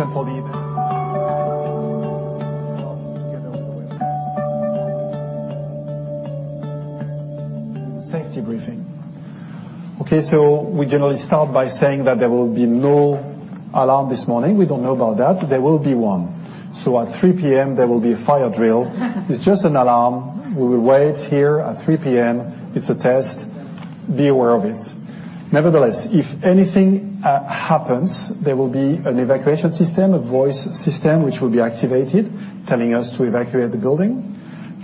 This is not the introduction for the event. Safety briefing. Okay, we generally start by saying that there will be no alarm this morning. We don't know about that. There will be one. At 3:00 P.M. there will be a fire drill. It's just an alarm. We will wait here at 3:00 P.M. It's a test. Be aware of it. Nevertheless, if anything happens, there will be an evacuation system, a voice system, which will be activated telling us to evacuate the building.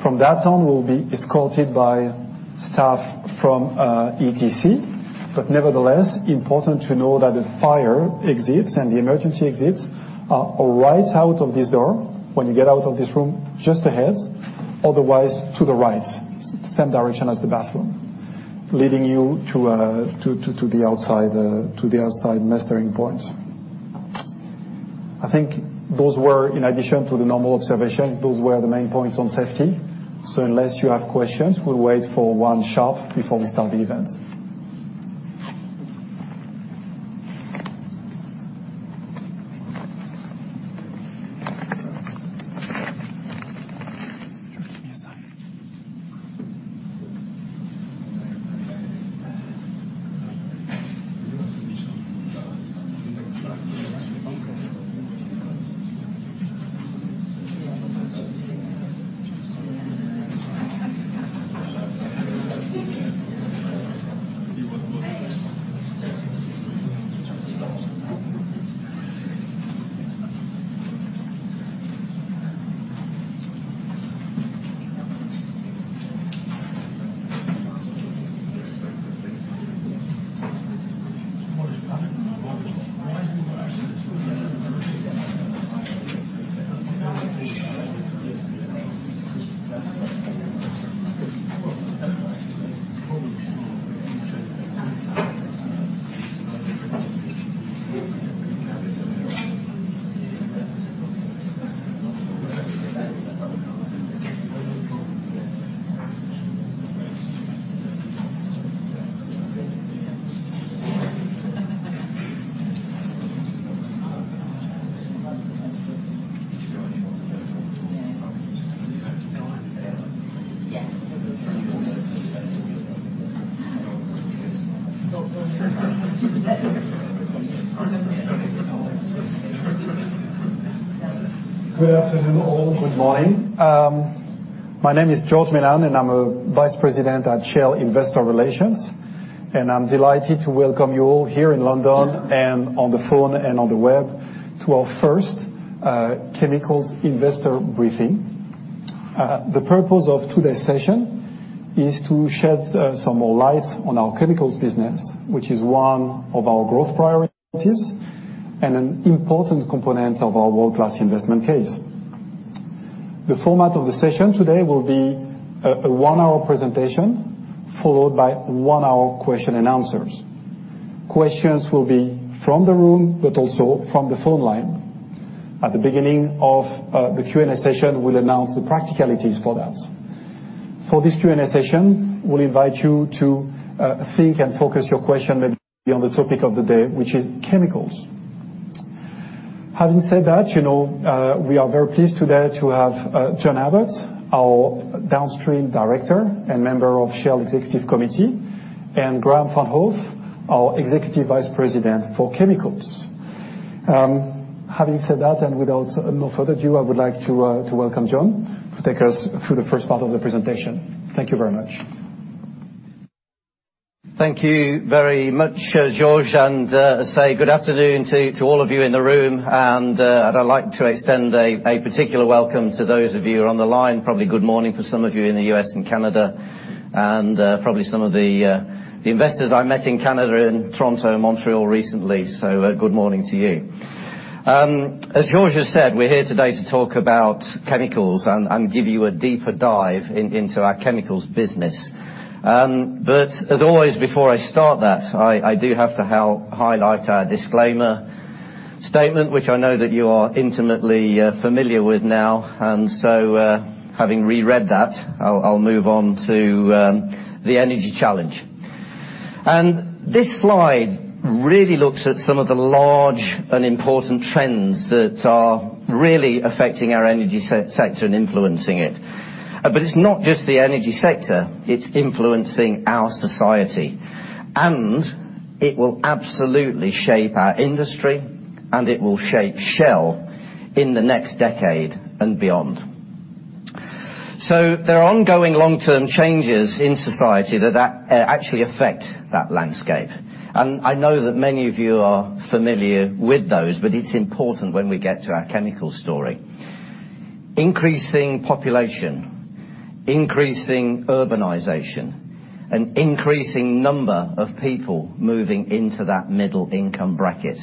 From that on, we'll be escorted by staff from ETC. Nevertheless, important to know that the fire exits and the emergency exits are right out of this door, when you get out of this room, just ahead. Otherwise, to the right, same direction as the bathroom, leading you to the outside mustering points. I think those were, in addition to the normal observations, those were the main points on safety. Unless you have questions, we'll wait for 1:00 sharp before we start the event. Good afternoon, all. Good morning. My name is George Menane, and I'm a Vice President at Shell Investor Relations, and I'm delighted to welcome you all here in London and on the phone and on the web to our first Chemicals Investor Briefing. The purpose of today's session is to shed some more light on our chemicals business, which is one of our growth priorities and an important component of our world-class investment case. The format of the session today will be a one-hour presentation, followed by a one-hour question and answers. Questions will be from the room, but also from the phone line. At the beginning of the Q&A session, we'll announce the practicalities for that. For this Q&A session, we'll invite you to think and focus your question maybe on the topic of the day, which is chemicals. Having said that, we are very pleased today to have John Abbott, our Downstream Director and member of Shell Executive Committee, and Graham van't Hof, our Executive Vice President for Chemicals. Having said that, with no further ado, I would like to welcome John to take us through the first part of the presentation. Thank you very much. Thank you very much, George. Say good afternoon to all of you in the room, and I'd like to extend a particular welcome to those of you who are on the line. Probably good morning for some of you in the U.S. and Canada, and probably some of the investors I met in Canada, in Toronto and Montreal recently, so good morning to you. As George has said, we're here today to talk about chemicals and give you a deeper dive into our chemicals business. But as always, before I start that, I do have to highlight our disclaimer statement, which I know that you are intimately familiar with now. Having reread that, I'll move on to the energy challenge. This slide really looks at some of the large and important trends that are really affecting our energy sector and influencing it. It's not just the energy sector, it's influencing our society, and it will absolutely shape our industry, and it will shape Shell in the next decade and beyond. There are ongoing long-term changes in society that actually affect that landscape. I know that many of you are familiar with those, but it's important when we get to our chemical story. Increasing population, increasing urbanization, an increasing number of people moving into that middle income bracket.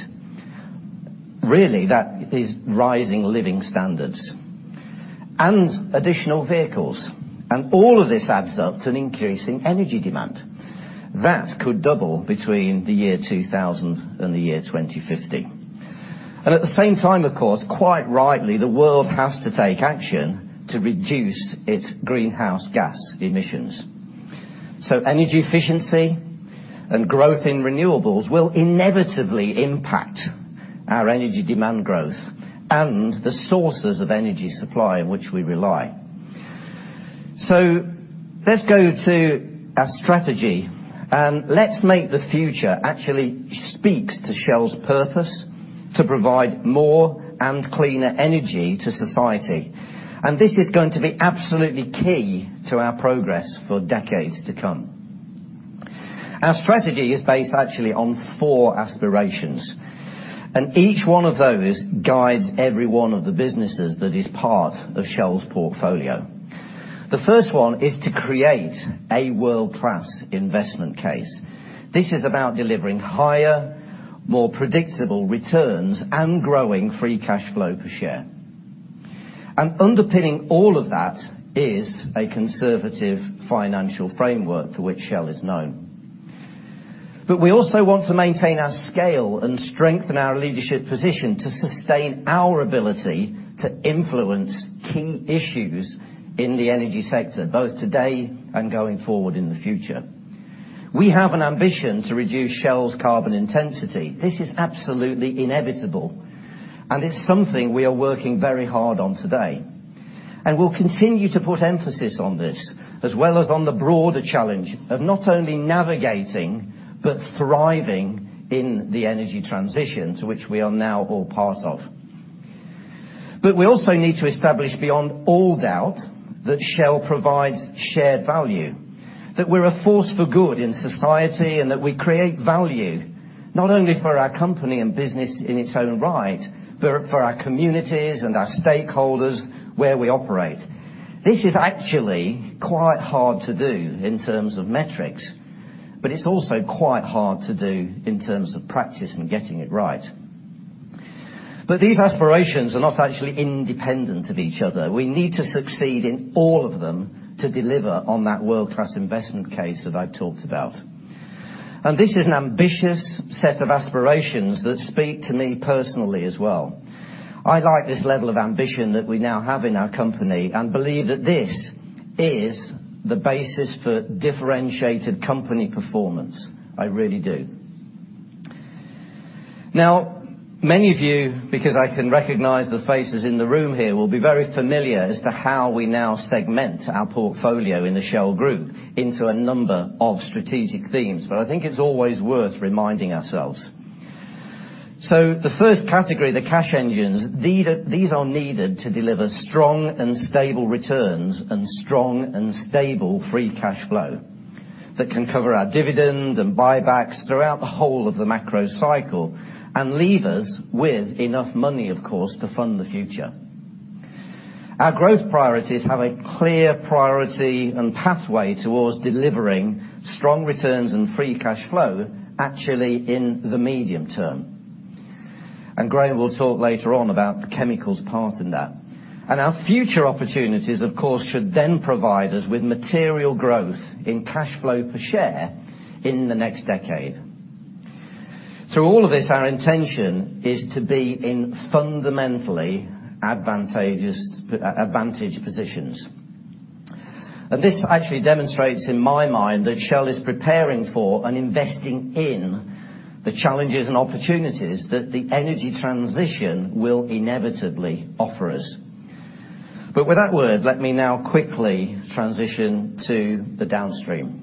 Really, that is rising living standards and additional vehicles. All of this adds up to an increasing energy demand that could double between the year 2000 and the year 2050. At the same time, of course, quite rightly, the world has to take action to reduce its greenhouse gas emissions. Energy efficiency and growth in renewables will inevitably impact our energy demand growth and the sources of energy supply on which we rely. Let's go to our strategy. Let's Make the Future actually speaks to Shell's purpose to provide more and cleaner energy to society. This is going to be absolutely key to our progress for decades to come. Our strategy is based actually on four aspirations, and each one of those guides every one of the businesses that is part of Shell's portfolio. The first one is to create a world-class investment case. This is about delivering higher, more predictable returns and growing free cash flow per share. Underpinning all of that is a conservative financial framework for which Shell is known. We also want to maintain our scale and strengthen our leadership position to sustain our ability to influence key issues in the energy sector, both today and going forward in the future. We have an ambition to reduce Shell's carbon intensity. This is absolutely inevitable, and it's something we are working very hard on today, and we'll continue to put emphasis on this, as well as on the broader challenge of not only navigating but thriving in the energy transition to which we are now all part of. We also need to establish beyond all doubt that Shell provides shared value, that we're a force for good in society, and that we create value not only for our company and business in its own right, but for our communities and our stakeholders where we operate. This is actually quite hard to do in terms of metrics, but it's also quite hard to do in terms of practice and getting it right. These aspirations are not actually independent of each other. We need to succeed in all of them to deliver on that world-class investment case that I've talked about. This is an ambitious set of aspirations that speak to me personally as well. I like this level of ambition that we now have in our company and believe that this is the basis for differentiated company performance. I really do. Now, many of you, because I can recognize the faces in the room here, will be very familiar as to how we now segment our portfolio in the Shell group into a number of strategic themes, but I think it's always worth reminding ourselves. The first category, the cash engines, these are needed to deliver strong and stable returns and strong and stable free cash flow that can cover our dividend and buybacks throughout the whole of the macro cycle and leave us with enough money, of course, to fund the future. Our growth priorities have a clear priority and pathway towards delivering strong returns and free cash flow actually in the medium term. Graham will talk later on about the chemicals part in that. Our future opportunities, of course, should then provide us with material growth in cash flow per share in the next decade. Through all of this, our intention is to be in fundamentally advantaged positions. This actually demonstrates in my mind that Shell is preparing for and investing in the challenges and opportunities that the energy transition will inevitably offer us. With that word, let me now quickly transition to the downstream.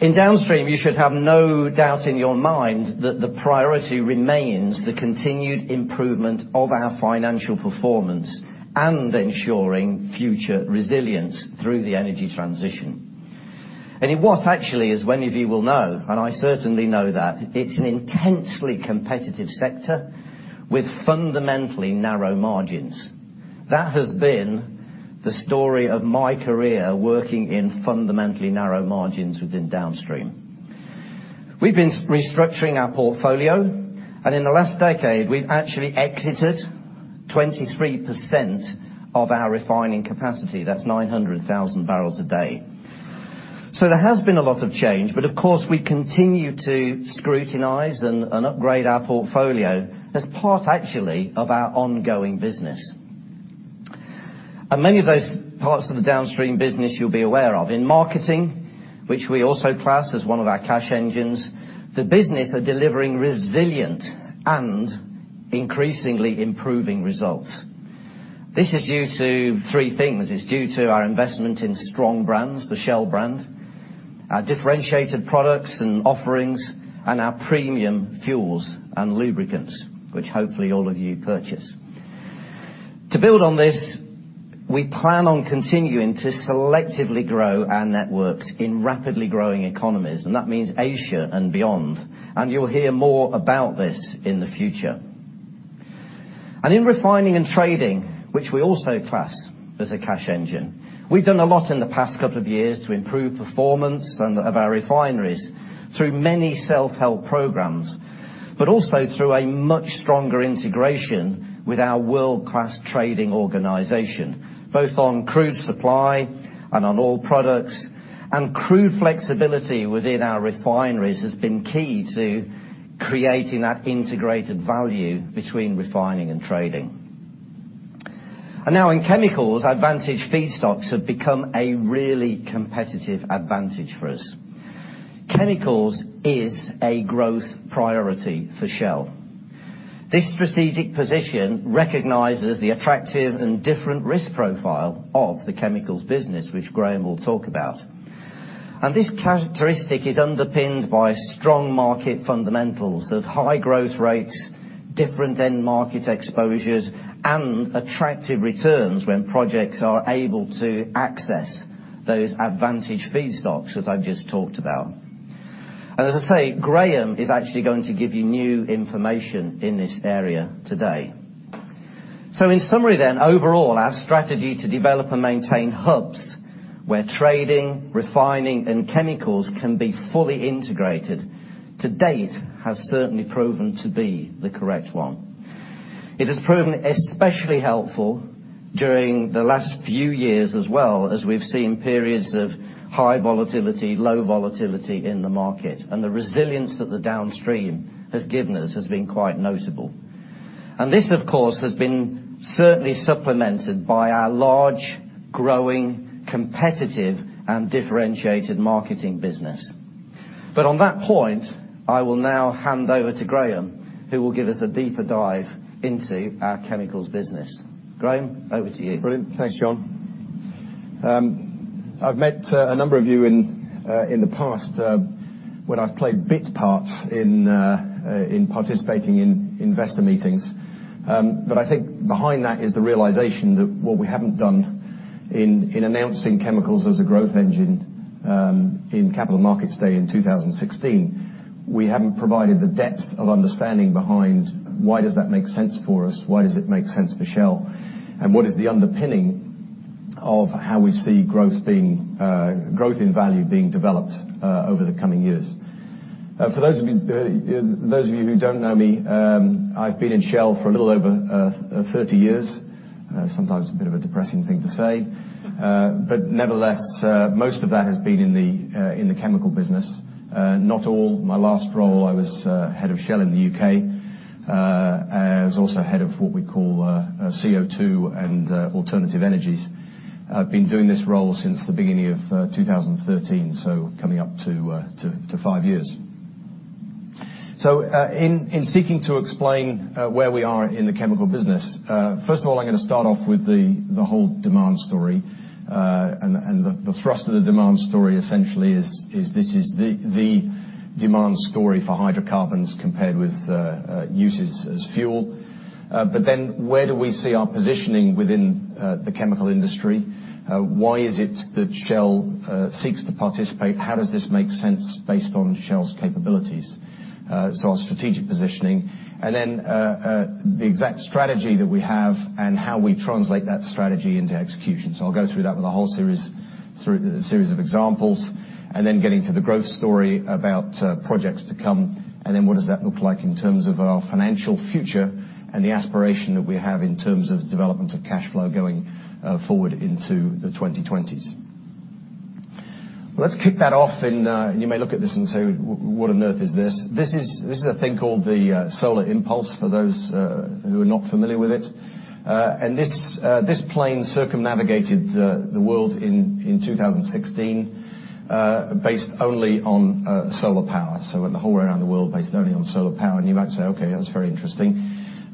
In downstream, you should have no doubt in your mind that the priority remains the continued improvement of our financial performance and ensuring future resilience through the energy transition. It was actually, as many of you will know, and I certainly know that it's an intensely competitive sector with fundamentally narrow margins. That has been the story of my career, working in fundamentally narrow margins within downstream. We've been restructuring our portfolio, and in the last decade, we've actually exited 23% of our refining capacity. That's 900,000 barrels a day. There has been a lot of change, but of course, we continue to scrutinize and upgrade our portfolio as part actually of our ongoing business. Many of those parts of the downstream business you'll be aware of. In marketing, which we also class as one of our cash engines, the business are delivering resilient and increasingly improving results. This is due to three things. It's due to our investment in strong brands, the Shell brand, our differentiated products and offerings, and our premium fuels and lubricants, which hopefully all of you purchase. To build on this, we plan on continuing to selectively grow our networks in rapidly growing economies, and that means Asia and beyond. You'll hear more about this in the future. In refining and trading, which we also class as a cash engine, we've done a lot in the past couple of years to improve performance of our refineries through many self-help programs, but also through a much stronger integration with our world-class trading organization, both on crude supply and on all products. Crude flexibility within our refineries has been key to creating that integrated value between refining and trading. Now in chemicals, advantage feedstocks have become a really competitive advantage for us. Chemicals is a growth priority for Shell. This strategic position recognizes the attractive and different risk profile of the chemicals business, which Graham will talk about. This characteristic is underpinned by strong market fundamentals of high growth rates, different end market exposures, and attractive returns when projects are able to access those advantage feedstocks as I've just talked about. As I say, Graham is actually going to give you new information in this area today. In summary then, overall, our strategy to develop and maintain hubs where trading, refining, and chemicals can be fully integrated to date has certainly proven to be the correct one. It has proven especially helpful during the last few years as well, as we've seen periods of high volatility, low volatility in the market. The resilience that the downstream has given us has been quite notable. This, of course, has been certainly supplemented by our large, growing, competitive, and differentiated marketing business. On that point, I will now hand over to Graham, who will give us a deeper dive into our chemicals business. Graham, over to you. Brilliant. Thanks, John. I've met a number of you in the past when I've played bit parts in participating in investor meetings. I think behind that is the realization that what we haven't done in announcing chemicals as a growth engine in Capital Markets Day in 2016, we haven't provided the depth of understanding behind why does that make sense for us, why does it make sense for Shell, and what is the underpinning of how we see growth in value being developed over the coming years. For those of you who don't know me, I've been in Shell for a little over 30 years. Sometimes a bit of a depressing thing to say. Nevertheless, most of that has been in the chemicals business. Not all. My last role, I was head of Shell in the U.K. I was also head of what we call CO2 and alternative energies. I've been doing this role since the beginning of 2013, coming up to five years. In seeking to explain where we are in the chemicals business, first of all, I'm going to start off with the whole demand story. The thrust of the demand story essentially is this is the demand story for hydrocarbons compared with uses as fuel. Where do we see our positioning within the chemicals industry? Why is it that Shell seeks to participate? How does this make sense based on Shell's capabilities? Our strategic positioning, the exact strategy that we have and how we translate that strategy into execution. I'll go through that with a whole series through a series of examples, get into the growth story about projects to come, what does that look like in terms of our financial future and the aspiration that we have in terms of development of cash flow going forward into the 2020s. Let's kick that off, you may look at this and say, "What on earth is this?" This is a thing called the Solar Impulse for those who are not familiar with it. This plane circumnavigated the world in 2016 based only on solar power, so went the whole way around the world based only on solar power. You might say, "Okay, that's very interesting.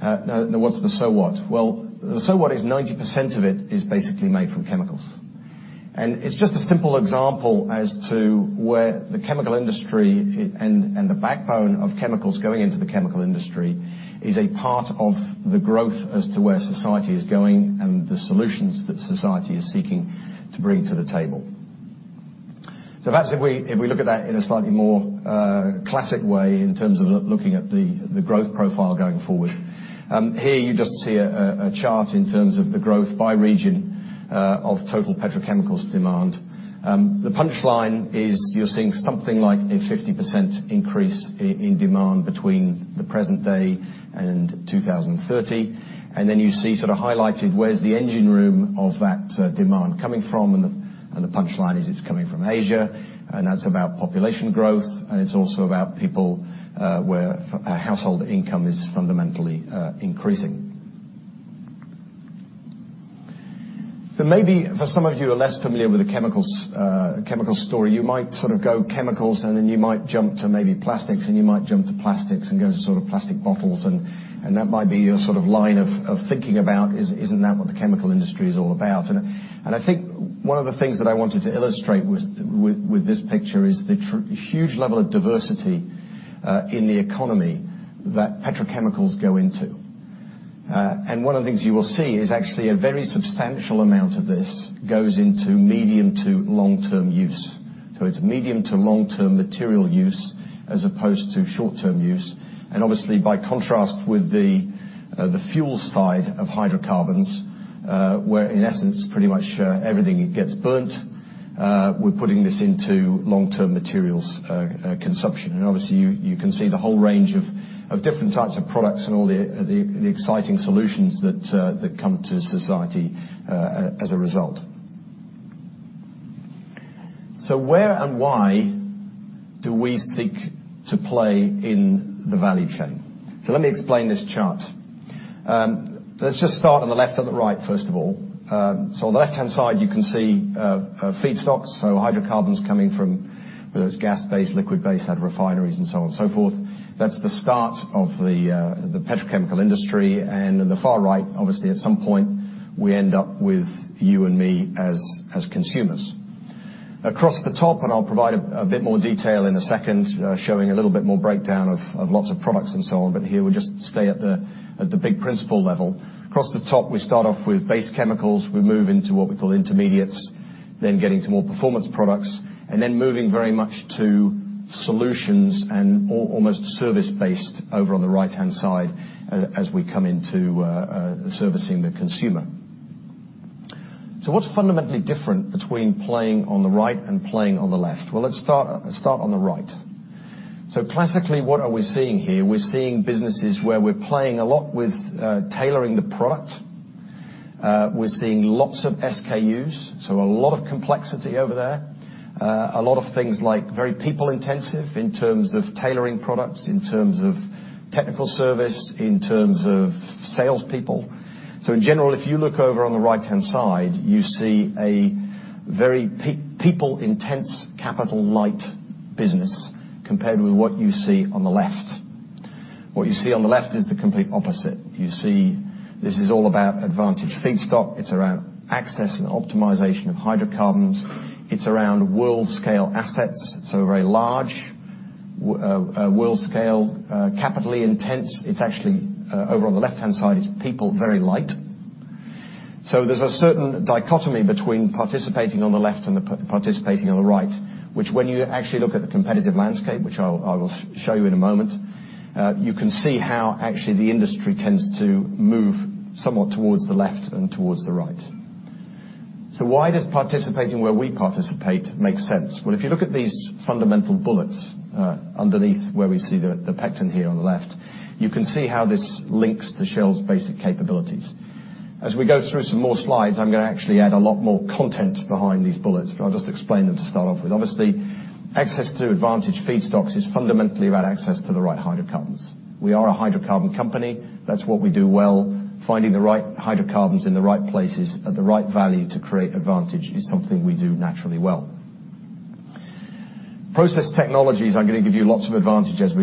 Now what's the so what?" The so what is 90% of it is basically made from chemicals. It's just a simple example as to where the chemical industry and the backbone of chemicals going into the chemical industry is a part of the growth as to where society is going and the solutions that society is seeking to bring to the table. If we look at that in a slightly more classic way in terms of looking at the growth profile going forward, here you just see a chart in terms of the growth by region of total petrochemicals demand. The punchline is you're seeing something like a 50% increase in demand between the present day and 2030. Then you see sort of highlighted where's the engine room of that demand coming from, and the punchline is it's coming from Asia, and that's about population growth, and it's also about people where household income is fundamentally increasing. Maybe for some of you who are less familiar with the chemical story, you might sort of go chemicals, and then you might jump to maybe plastics, and you might jump to plastics and go to sort of plastic bottles, and that might be your sort of line of thinking about is isn't that what the chemical industry is all about? I think one of the things that I wanted to illustrate with this picture is the huge level of diversity in the economy that petrochemicals go into. One of the things you will see is actually a very substantial amount of this goes into medium to long-term use. It's medium to long-term material use as opposed to short-term use. Obviously by contrast with the fuel side of hydrocarbons where in essence pretty much everything gets burnt, we're putting this into long-term materials consumption. Obviously you can see the whole range of different types of products and all the exciting solutions that come to society as a result. Where and why do we seek to play in the value chain? Let me explain this chart. Let's just start on the left and the right, first of all. On the left-hand side, you can see feedstocks, so hydrocarbons coming from whether it's gas-based, liquid-based, out of refineries and so on and so forth. That's the start of the petrochemical industry. In the far right, obviously at some point, we end up with you and me as consumers. Across the top, and I'll provide a bit more detail in a second, showing a little bit more breakdown of lots of products and so on, but here we'll just stay at the big principle level. Across the top, we start off with base chemicals. We move into what we call intermediates, then getting to more performance products, and then moving very much to solutions and almost service-based over on the right-hand side, as we come into servicing the consumer. What's fundamentally different between playing on the right and playing on the left? Well, let's start on the right. Classically, what are we seeing here? We're seeing businesses where we're playing a lot with tailoring the product. We're seeing lots of SKUs, so a lot of complexity over there. A lot of things like very people-intensive in terms of tailoring products, in terms of technical service, in terms of salespeople. In general, if you look over on the right-hand side, you see a very people-intense capital light business compared with what you see on the left. What you see on the left is the complete opposite. You see this is all about advantage feedstock. It's around access and optimization of hydrocarbons. It's around world-scale assets, so very large world-scale, capitally intense. It's actually over on the left-hand side, it's people very light. There's a certain dichotomy between participating on the left and participating on the right, which when you actually look at the competitive landscape, which I will show you in a moment, you can see how actually the industry tends to move somewhat towards the left and towards the right. Why does participating where we participate make sense? Well, if you look at these fundamental bullets underneath where we see the pecking order here on the left, you can see how this links to Shell's basic capabilities. As we go through some more slides, I'm going to actually add a lot more content behind these bullets, but I'll just explain them to start off with. Obviously, access to advantage feedstocks is fundamentally about access to the right hydrocarbons. We are a hydrocarbon company. That's what we do well. Finding the right hydrocarbons in the right places at the right value to create advantage is something we do naturally well. Process technologies, I'm going to give you lots of examples as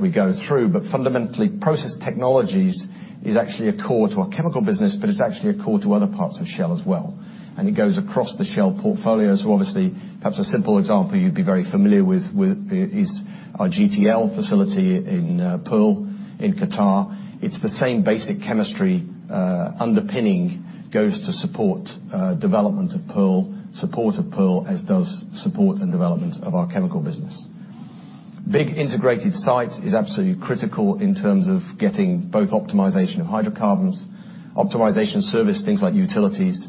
we go through, but fundamentally, process technologies is actually a core to our chemical business, but it's actually a core to other parts of Shell as well. It goes across the Shell portfolio. Obviously, perhaps a simple example you'd be very familiar with is our GTL facility in Pearl in Qatar. It's the same basic chemistry underpinning goes to support development of Pearl, as does support and development of our chemical business. Big integrated site is absolutely critical in terms of getting both optimization of hydrocarbons, optimization services, things like utilities,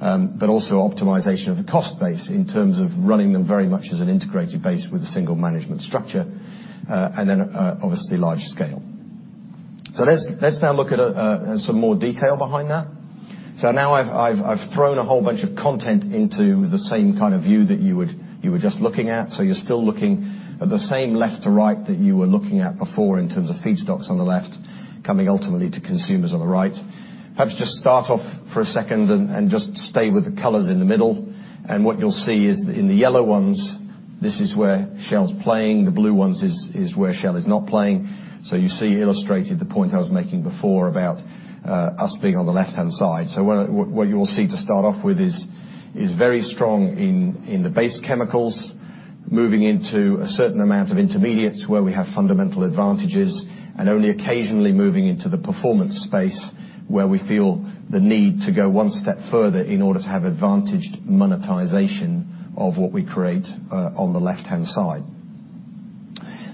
but also optimization of the cost base in terms of running them very much as an integrated base with a single management structure, and then obviously large scale. Let's now look at some more detail behind that. Now I've thrown a whole bunch of content into the same kind of view that you were just looking at. You're still looking at the same left to right that you were looking at before in terms of feedstocks on the left, coming ultimately to consumers on the right. Perhaps just start off for a second and just stay with the colors in the middle. What you'll see is in the yellow ones, this is where Shell's playing. The blue ones is where Shell is not playing. You see illustrated the point I was making before about us being on the left-hand side. What you will see to start off with is very strong in the base chemicals, moving into a certain amount of intermediates where we have fundamental advantages, and only occasionally moving into the performance space where we feel the need to go one step further in order to have advantaged monetization of what we create on the left-hand side.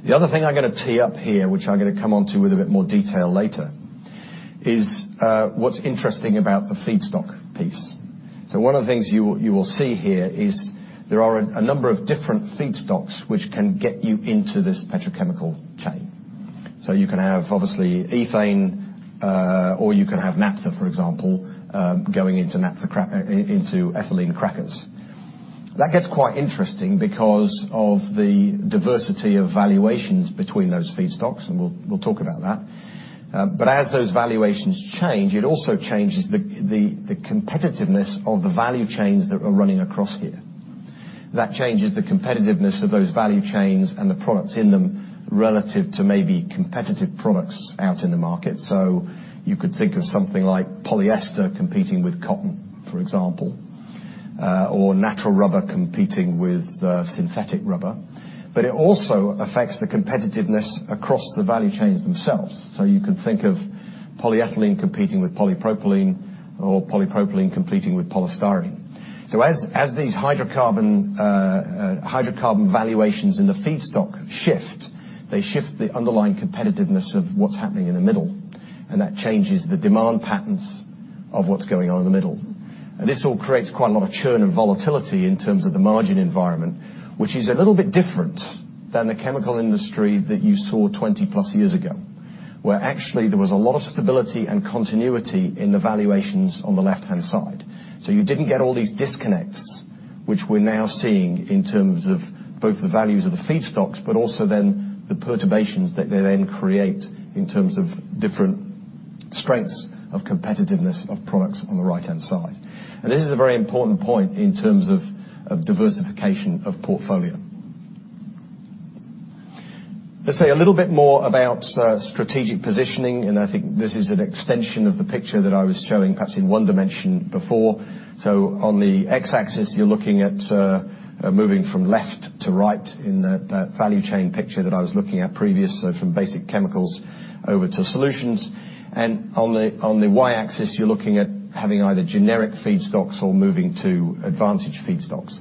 The other thing I'm going to tee up here, which I'm going to come onto with a bit more detail later, is what's interesting about the feedstock piece. One of the things you will see here is there are a number of different feedstocks which can get you into this petrochemical chain. You can have obviously ethane, or you can have naphtha, for example, going into ethylene crackers. That gets quite interesting because of the diversity of valuations between those feedstocks, and we'll talk about that. As those valuations change, it also changes the competitiveness of the value chains that are running across here. That changes the competitiveness of those value chains and the products in them relative to maybe competitive products out in the market. You could think of something like polyester competing with cotton, for example, or natural rubber competing with synthetic rubber. It also affects the competitiveness across the value chains themselves. You can think of polyethylene competing with polypropylene, or polypropylene competing with polystyrene. As these hydrocarbon valuations in the feedstock shift, they shift the underlying competitiveness of what's happening in the middle, that changes the demand patterns of what's going on in the middle. This all creates quite a lot of churn and volatility in terms of the margin environment, which is a little bit different than the chemical industry that you saw 20 plus years ago. Where actually there was a lot of stability and continuity in the valuations on the left-hand side. You didn't get all these disconnects, which we're now seeing in terms of both the values of the feedstocks, also then the perturbations that they then create in terms of different strengths of competitiveness of products on the right-hand side. This is a very important point in terms of diversification of portfolio. Let's say a little bit more about strategic positioning, I think this is an extension of the picture that I was showing perhaps in one dimension before. On the X-axis, you're looking at moving from left to right in that value chain picture that I was looking at previous, so from basic chemicals over to solutions. On the Y-axis, you're looking at having either generic feedstocks or moving to advantage feedstocks.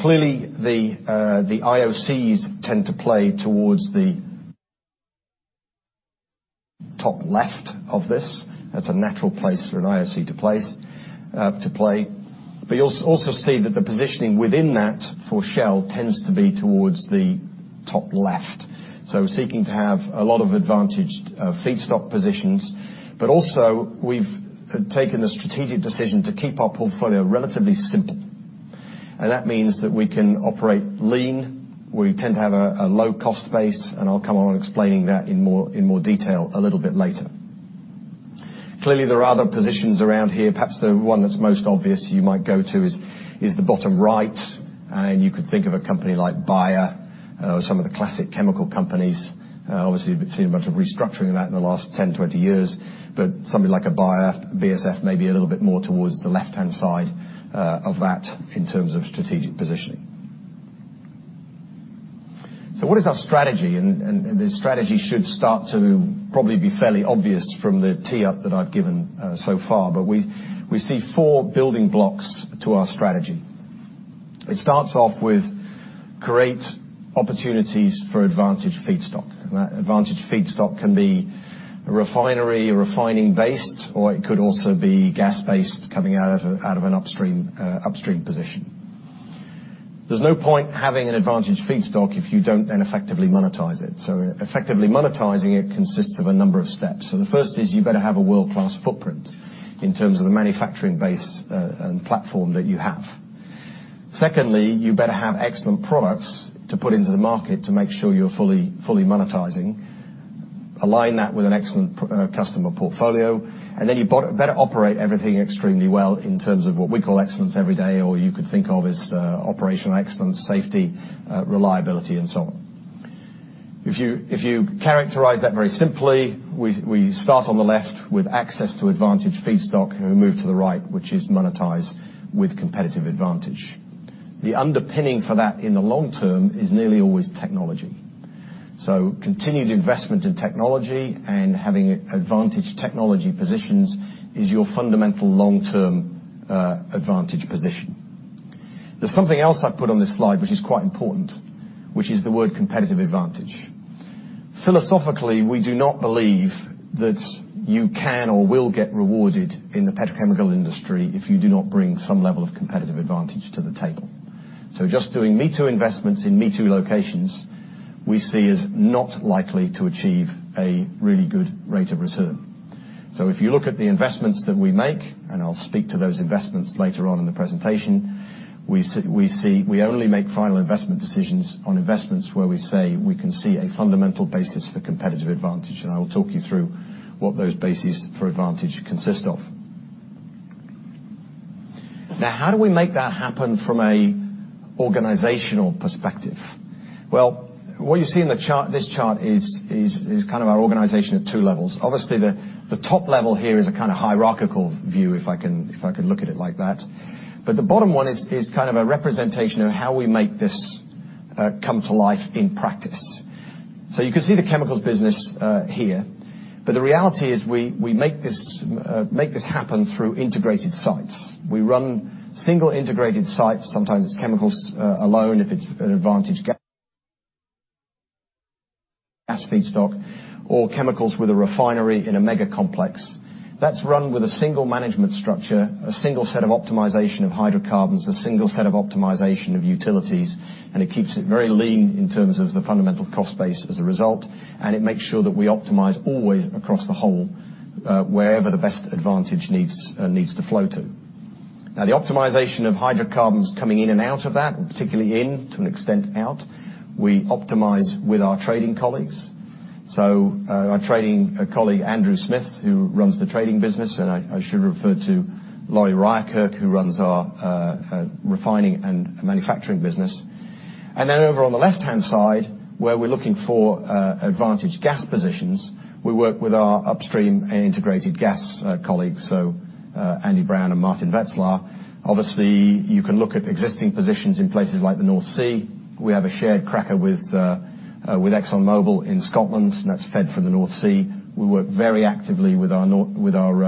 Clearly, the IOCs tend to play towards the top left of this. That's a natural place for an IOC to play. You also see that the positioning within that for Shell tends to be towards the top left. Seeking to have a lot of advantaged feedstock positions. Also, we've taken the strategic decision to keep our portfolio relatively simple. That means that we can operate lean. We tend to have a low cost base, I'll come on explaining that in more detail a little bit later. Clearly, there are other positions around here. Perhaps the one that's most obvious you might go to is the bottom right, you could think of a company like Bayer or some of the classic chemical companies. Obviously, we've seen a bunch of restructuring of that in the last 10, 20 years, somebody like a Bayer, BASF, may be a little bit more towards the left-hand side of that in terms of strategic positioning. What is our strategy? The strategy should start to probably be fairly obvious from the tee-up that I've given so far. We see four building blocks to our strategy. It starts off with great opportunities for advantaged feedstock. That advantaged feedstock can be refinery, refining based, or it could also be gas-based coming out of an upstream position. There's no point having an advantaged feedstock if you don't then effectively monetize it. Effectively monetizing it consists of a number of steps. The first is you better have a world-class footprint in terms of the manufacturing base and platform that you have. Secondly, you better have excellent products to put into the market to make sure you're fully monetizing. Align that with an excellent customer portfolio, and then you better operate everything extremely well in terms of what we call excellence every day, or you could think of as operational excellence, safety, reliability and so on. If you characterize that very simply, we start on the left with access to advantaged feedstock, and we move to the right, which is monetized with competitive advantage. The underpinning for that in the long term is nearly always technology. Continued investment in technology and having advantaged technology positions is your fundamental long-term advantage position. There's something else I've put on this slide which is quite important, which is the word competitive advantage. Philosophically, we do not believe that you can or will get rewarded in the petrochemical industry if you do not bring some level of competitive advantage to the table. Just doing me-too investments in me-too locations, we see as not likely to achieve a really good rate of return. If you look at the investments that we make, and I'll speak to those investments later on in the presentation, we only make final investment decisions on investments where we say we can see a fundamental basis for competitive advantage. I will talk you through what those bases for advantage consist of. How do we make that happen from an organizational perspective? What you see in this chart is kind of our organization at two levels. Obviously, the top level here is a kind of hierarchical view, if I can look at it like that. The bottom one is kind of a representation of how we make this come to life in practice. You can see the chemicals business here. The reality is we make this happen through integrated sites. We run single integrated sites. Sometimes it's chemicals alone, if it's an advantaged gas feedstock, or chemicals with a refinery in a mega complex. That's run with a single management structure, a single set of optimization of hydrocarbons, a single set of optimization of utilities, it keeps it very lean in terms of the fundamental cost base as a result, it makes sure that we optimize always across the whole wherever the best advantage needs to flow to. The optimization of hydrocarbons coming in and out of that, and particularly in, to an extent out, we optimize with our trading colleagues. Our trading colleague, Andrew Smith, who runs the trading business, and I should refer to Lori Ryerkerk, who runs our refining and manufacturing business. Then over on the left-hand side, where we're looking for advantaged gas positions, we work with our upstream and integrated gas colleagues, Andy Brown and Maarten Wetselaar. You can look at existing positions in places like the North Sea. We have a shared cracker with ExxonMobil in Scotland, that's fed from the North Sea. We work very actively with our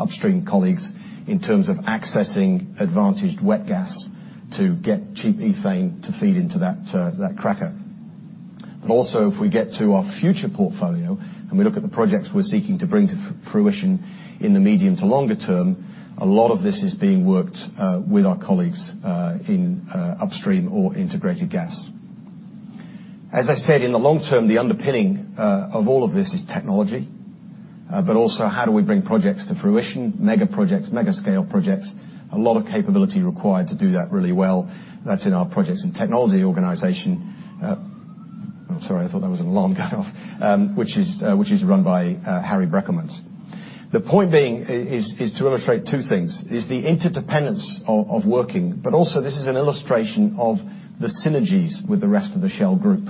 upstream colleagues in terms of accessing advantaged wet gas to get cheap ethane to feed into that cracker. Also, if we get to our future portfolio, we look at the projects we're seeking to bring to fruition in the medium to longer term, a lot of this is being worked with our colleagues in upstream or integrated gas. As I said, in the long term, the underpinning of all of this is technology. Also how do we bring projects to fruition, mega projects, mega scale projects? A lot of capability required to do that really well. That's in our projects and technology organization. I'm sorry, I thought that was an alarm going off. Which is run by Harry Brekelmans. The point being is to illustrate two things: the interdependence of working, also this is an illustration of the synergies with the rest of the Shell Group.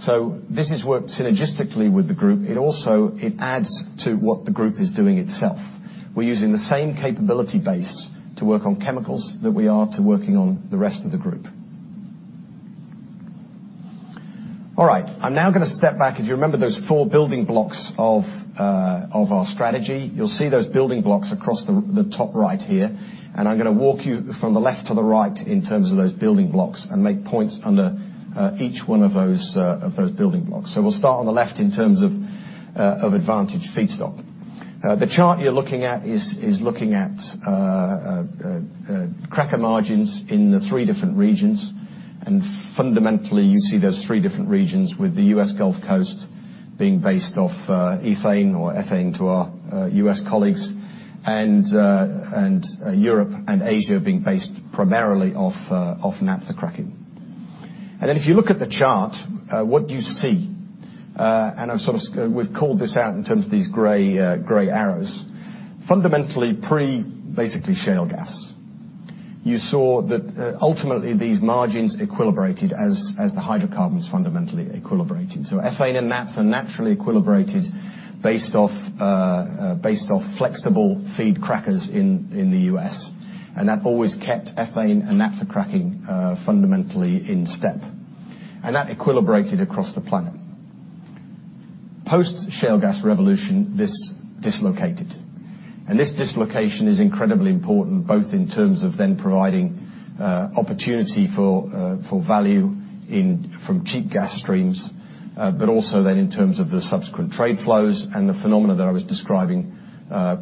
It also adds to what the group is doing itself. We're using the same capability base to work on chemicals that we are to working on the rest of the group. All right. I'm now going to step back. If you remember those four building blocks of our strategy, you'll see those building blocks across the top right here, I'm going to walk you from the left to the right in terms of those building blocks and make points under each one of those building blocks. We'll start on the left in terms of advantage feedstock. The chart you're looking at is looking at cracker margins in the three different regions, fundamentally, you see those three different regions with the US Gulf Coast being based off ethane or ethane to our US colleagues, Europe and Asia being based primarily off naphtha cracking. Then if you look at the chart, what do you see? We've called this out in terms of these gray arrows. Fundamentally, pre-basically shale gas, you saw that ultimately these margins equilibrated as the hydrocarbons fundamentally equilibrated. Ethane and naphtha naturally equilibrated based off flexible feed crackers in the US, that always kept ethane and naphtha cracking fundamentally in step. That equilibrated across the planet. Post-shale gas revolution, this dislocated. This dislocation is incredibly important, both in terms of then providing opportunity for value from cheap gas streams, also then in terms of the subsequent trade flows and the phenomena that I was describing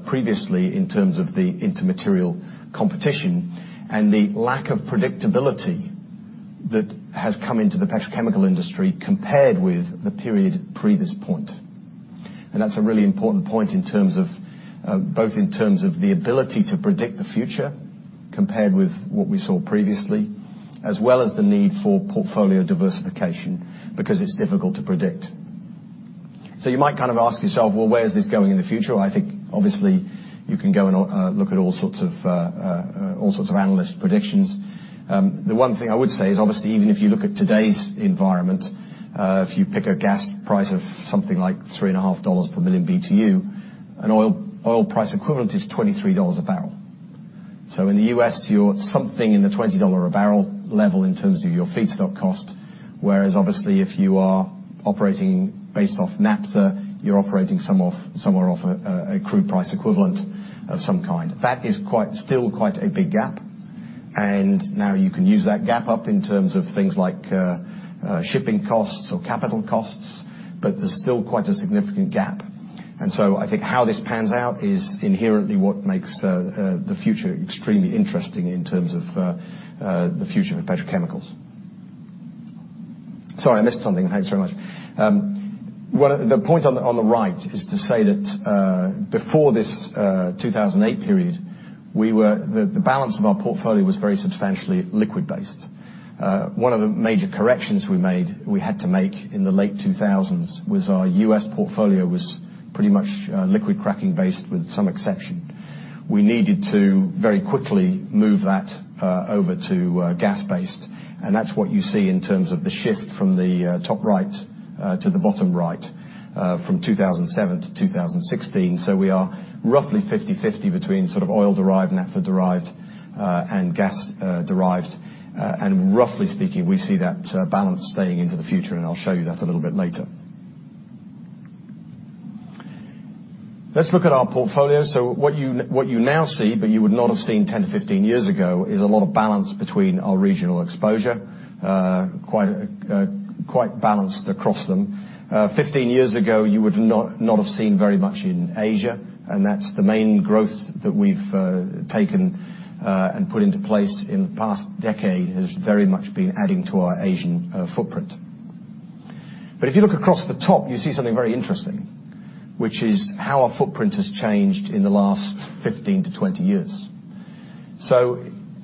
previously in terms of the intermaterial competition and the lack of predictability that has come into the petrochemical industry compared with the period pre this point. That's a really important point both in terms of the ability to predict the future compared with what we saw previously, as well as the need for portfolio diversification, because it's difficult to predict. You might kind of ask yourself, well, where is this going in the future? I think obviously you can go and look at all sorts of analyst predictions. The one thing I would say is obviously even if you look at today's environment, if you pick a gas price of something like $3.50 per million BTU, an oil price equivalent is $23 a barrel. In the U.S., you're something in the $20 a barrel level in terms of your feedstock cost, whereas obviously if you are operating based off naphtha, you're operating somewhere off a crude price equivalent of some kind. That is still quite a big gap, and now you can use that gap up in terms of things like shipping costs or capital costs, but there's still quite a significant gap. I think how this pans out is inherently what makes the future extremely interesting in terms of the future of petrochemicals. Sorry, I missed something. Thanks very much. The point on the right is to say that before this 2008 period, the balance of our portfolio was very substantially liquid-based. One of the major corrections we had to make in the late 2000s was our U.S. portfolio was pretty much liquid cracking based with some exception. We needed to very quickly move that over to gas-based, and that's what you see in terms of the shift from the top right to the bottom right from 2007 to 2016. We are roughly 50/50 between sort of oil-derived, naphtha-derived, and gas-derived. Roughly speaking, we see that balance staying into the future, and I'll show you that a little bit later. Let's look at our portfolio. What you now see, but you would not have seen 10 to 15 years ago, is a lot of balance between our regional exposure. Quite balanced across them. Fifteen years ago, you would not have seen very much in Asia, and that's the main growth that we've taken and put into place in the past decade, has very much been adding to our Asian footprint. If you look across the top, you see something very interesting, which is how our footprint has changed in the last 15 to 20 years.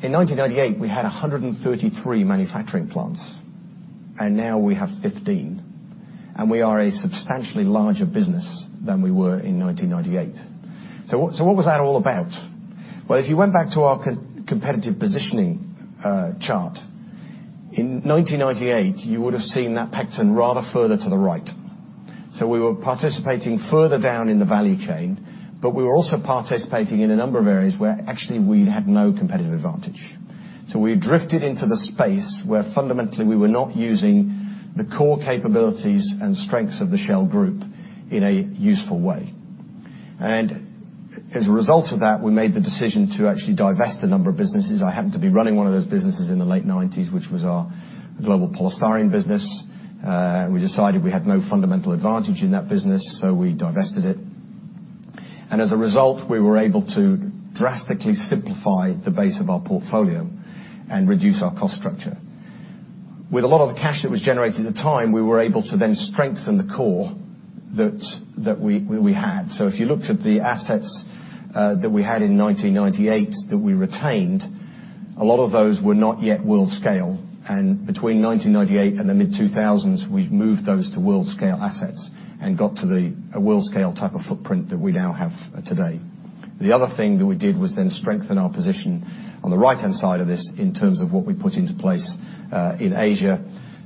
In 1998, we had 133 manufacturing plants, and now we have 15, and we are a substantially larger business than we were in 1998. What was that all about? Well, if you went back to our competitive positioning chart, in 1998 you would have seen that pecking order rather further to the right. We were participating further down in the value chain, but we were also participating in a number of areas where actually we had no competitive advantage. We drifted into the space where fundamentally we were not using the core capabilities and strengths of the Shell Group in a useful way. As a result of that, we made the decision to actually divest a number of businesses. I happened to be running one of those businesses in the late '90s, which was our global polystyrene business. We decided we had no fundamental advantage in that business, we divested it. As a result, we were able to drastically simplify the base of our portfolio and reduce our cost structure. With a lot of the cash that was generated at the time, we were able to then strengthen the core that we had. If you looked at the assets that we had in 1998 that we retained, a lot of those were not yet world scale. Between 1998 and the mid-2000s, we've moved those to world-scale assets and got to the world-scale type of footprint that we now have today. The other thing that we did was then strengthen our position on the right-hand side of this in terms of what we put into place in Asia.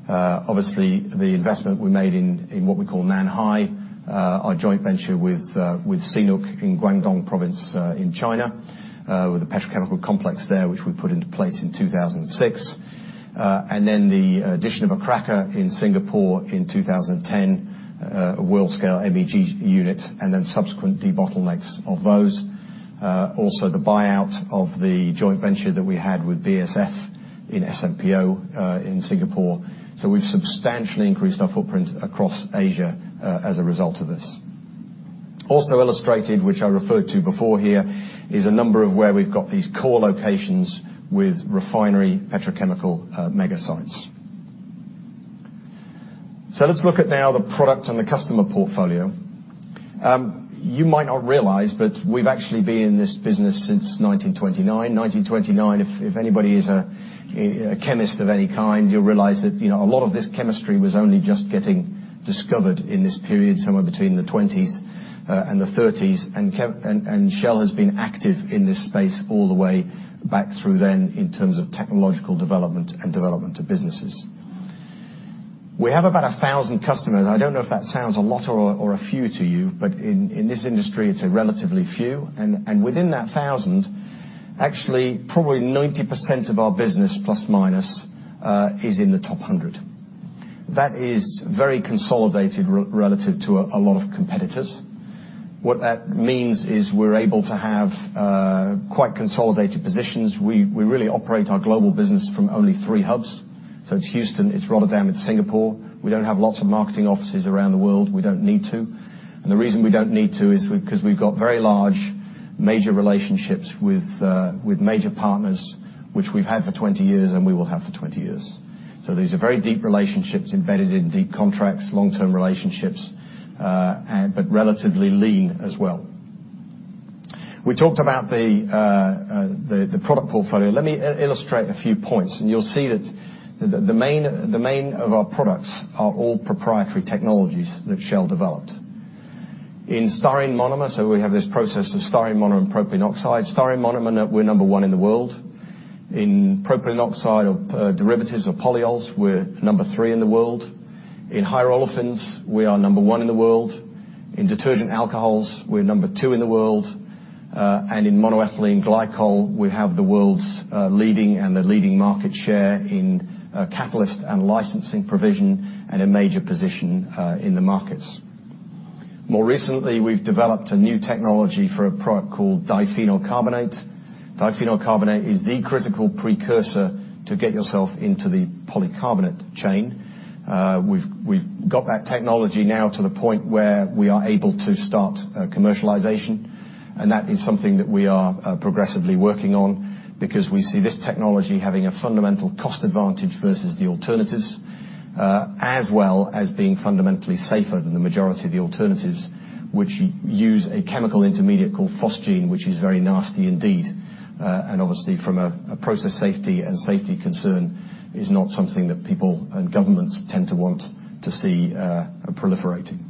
Obviously, the investment we made in what we call Nanhai, our joint venture with CNOOC in Guangdong Province in China, with a petrochemical complex there, which we put into place in 2006. The addition of a cracker in Singapore in 2010, a world-scale MEG unit, and then subsequent debottlenecks of those. Also, the buyout of the joint venture that we had with BASF in SMPO in Singapore. We've substantially increased our footprint across Asia as a result of this. Also illustrated, which I referred to before here, is a number of where we've got these core locations with refinery petrochemical mega sites. Let's look at now the product and the customer portfolio. You might not realize, but we've actually been in this business since 1929. 1929, if anybody is a chemist of any kind, you'll realize that a lot of this chemistry was only just getting discovered in this period, somewhere between the '20s and the '30s. Shell has been active in this space all the way back through then in terms of technological development and development of businesses. We have about 1,000 customers. I don't know if that sounds a lot or a few to you, but in this industry, it's relatively few. Within that 1,000, actually, probably 90% of our business, plus/minus, is in the top 100. That is very consolidated relative to a lot of competitors. What that means is we're able to have quite consolidated positions. We really operate our global business from only three hubs. It's Houston, it's Rotterdam, it's Singapore. We don't have lots of marketing offices around the world. We don't need to. The reason we don't need to is because we've got very large major relationships with major partners, which we've had for 20 years and we will have for 20 years. These are very deep relationships embedded in deep contracts, long-term relationships, but relatively lean as well. We talked about the product portfolio. Let me illustrate a few points, and you'll see that the main of our products are all proprietary technologies that Shell developed. In styrene monomer, we have this process of styrene monomer and propylene oxide. Styrene monomer, we're number one in the world. In propylene oxide derivatives of polyols, we're number three in the world. In higher olefins, we are number one in the world. In detergent alcohols, we're number two in the world. In monoethylene glycol, we have the world's leading and a leading market share in catalyst and licensing provision and a major position in the markets. More recently, we've developed a new technology for a product called diphenyl carbonate. Diphenyl carbonate is the critical precursor to get yourself into the polycarbonate chain. We've got that technology now to the point where we are able to start commercialization, and that is something that we are progressively working on because we see this technology having a fundamental cost advantage versus the alternatives as well as being fundamentally safer than the majority of the alternatives, which use a chemical intermediate called phosgene, which is very nasty indeed. Obviously from a process safety and safety concern is not something that people and governments tend to want to see proliferating.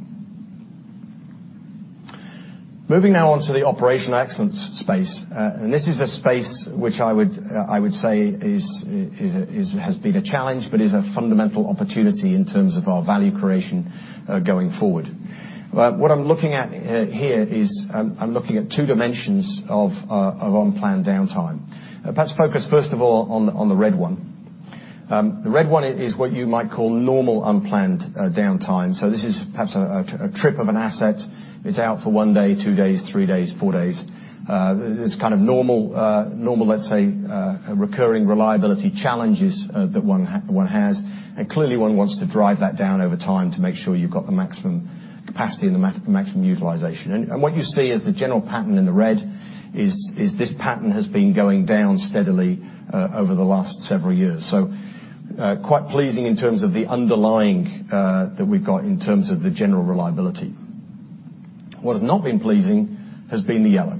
Moving now on to the operational excellence space. This is a space which I would say has been a challenge but is a fundamental opportunity in terms of our value creation going forward. What I'm looking at here is I'm looking at two dimensions of unplanned downtime. Perhaps focus first of all on the red one. The red one is what you might call normal unplanned downtime. This is perhaps a trip of an asset. It's out for one day, two days, three days, four days. It's kind of normal, let's say, recurring reliability challenges that one has. Clearly, one wants to drive that down over time to make sure you've got the maximum capacity and the maximum utilization. What you see is the general pattern in the red is this pattern has been going down steadily over the last several years. Quite pleasing in terms of the underlying that we've got in terms of the general reliability. What has not been pleasing has been the yellow,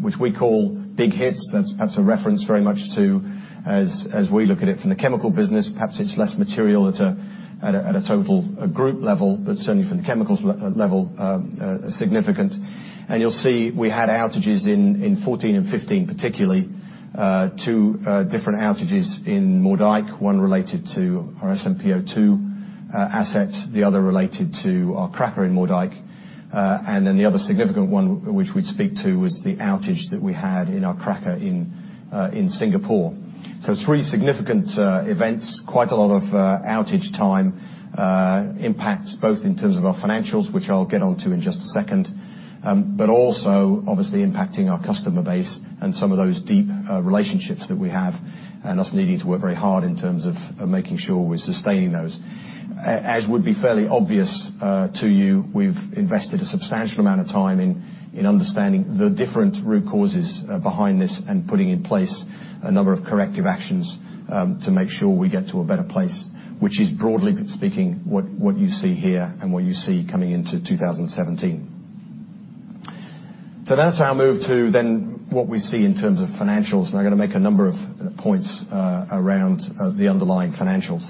which we call big hits. That's perhaps a reference very much to, as we look at it from the chemical business, perhaps it's less material at a total group level, but certainly from the chemicals level, significant. You'll see we had outages in 2014 and 2015, particularly, two different outages in Moerdijk, one related to our SMPO-2 assets, the other related to our cracker in Moerdijk. Then the other significant one which we'd speak to was the outage that we had in our cracker in Singapore. Three significant events, quite a lot of outage time impacts both in terms of our financials, which I'll get onto in just a second, but also obviously impacting our customer base and some of those deep relationships that we have and us needing to work very hard in terms of making sure we're sustaining those. As would be fairly obvious to you, we've invested a substantial amount of time in understanding the different root causes behind this and putting in place a number of corrective actions to make sure we get to a better place, which is broadly speaking what you see here and what you see coming into 2017. That's our move to then what we see in terms of financials. I'm going to make a number of points around the underlying financials.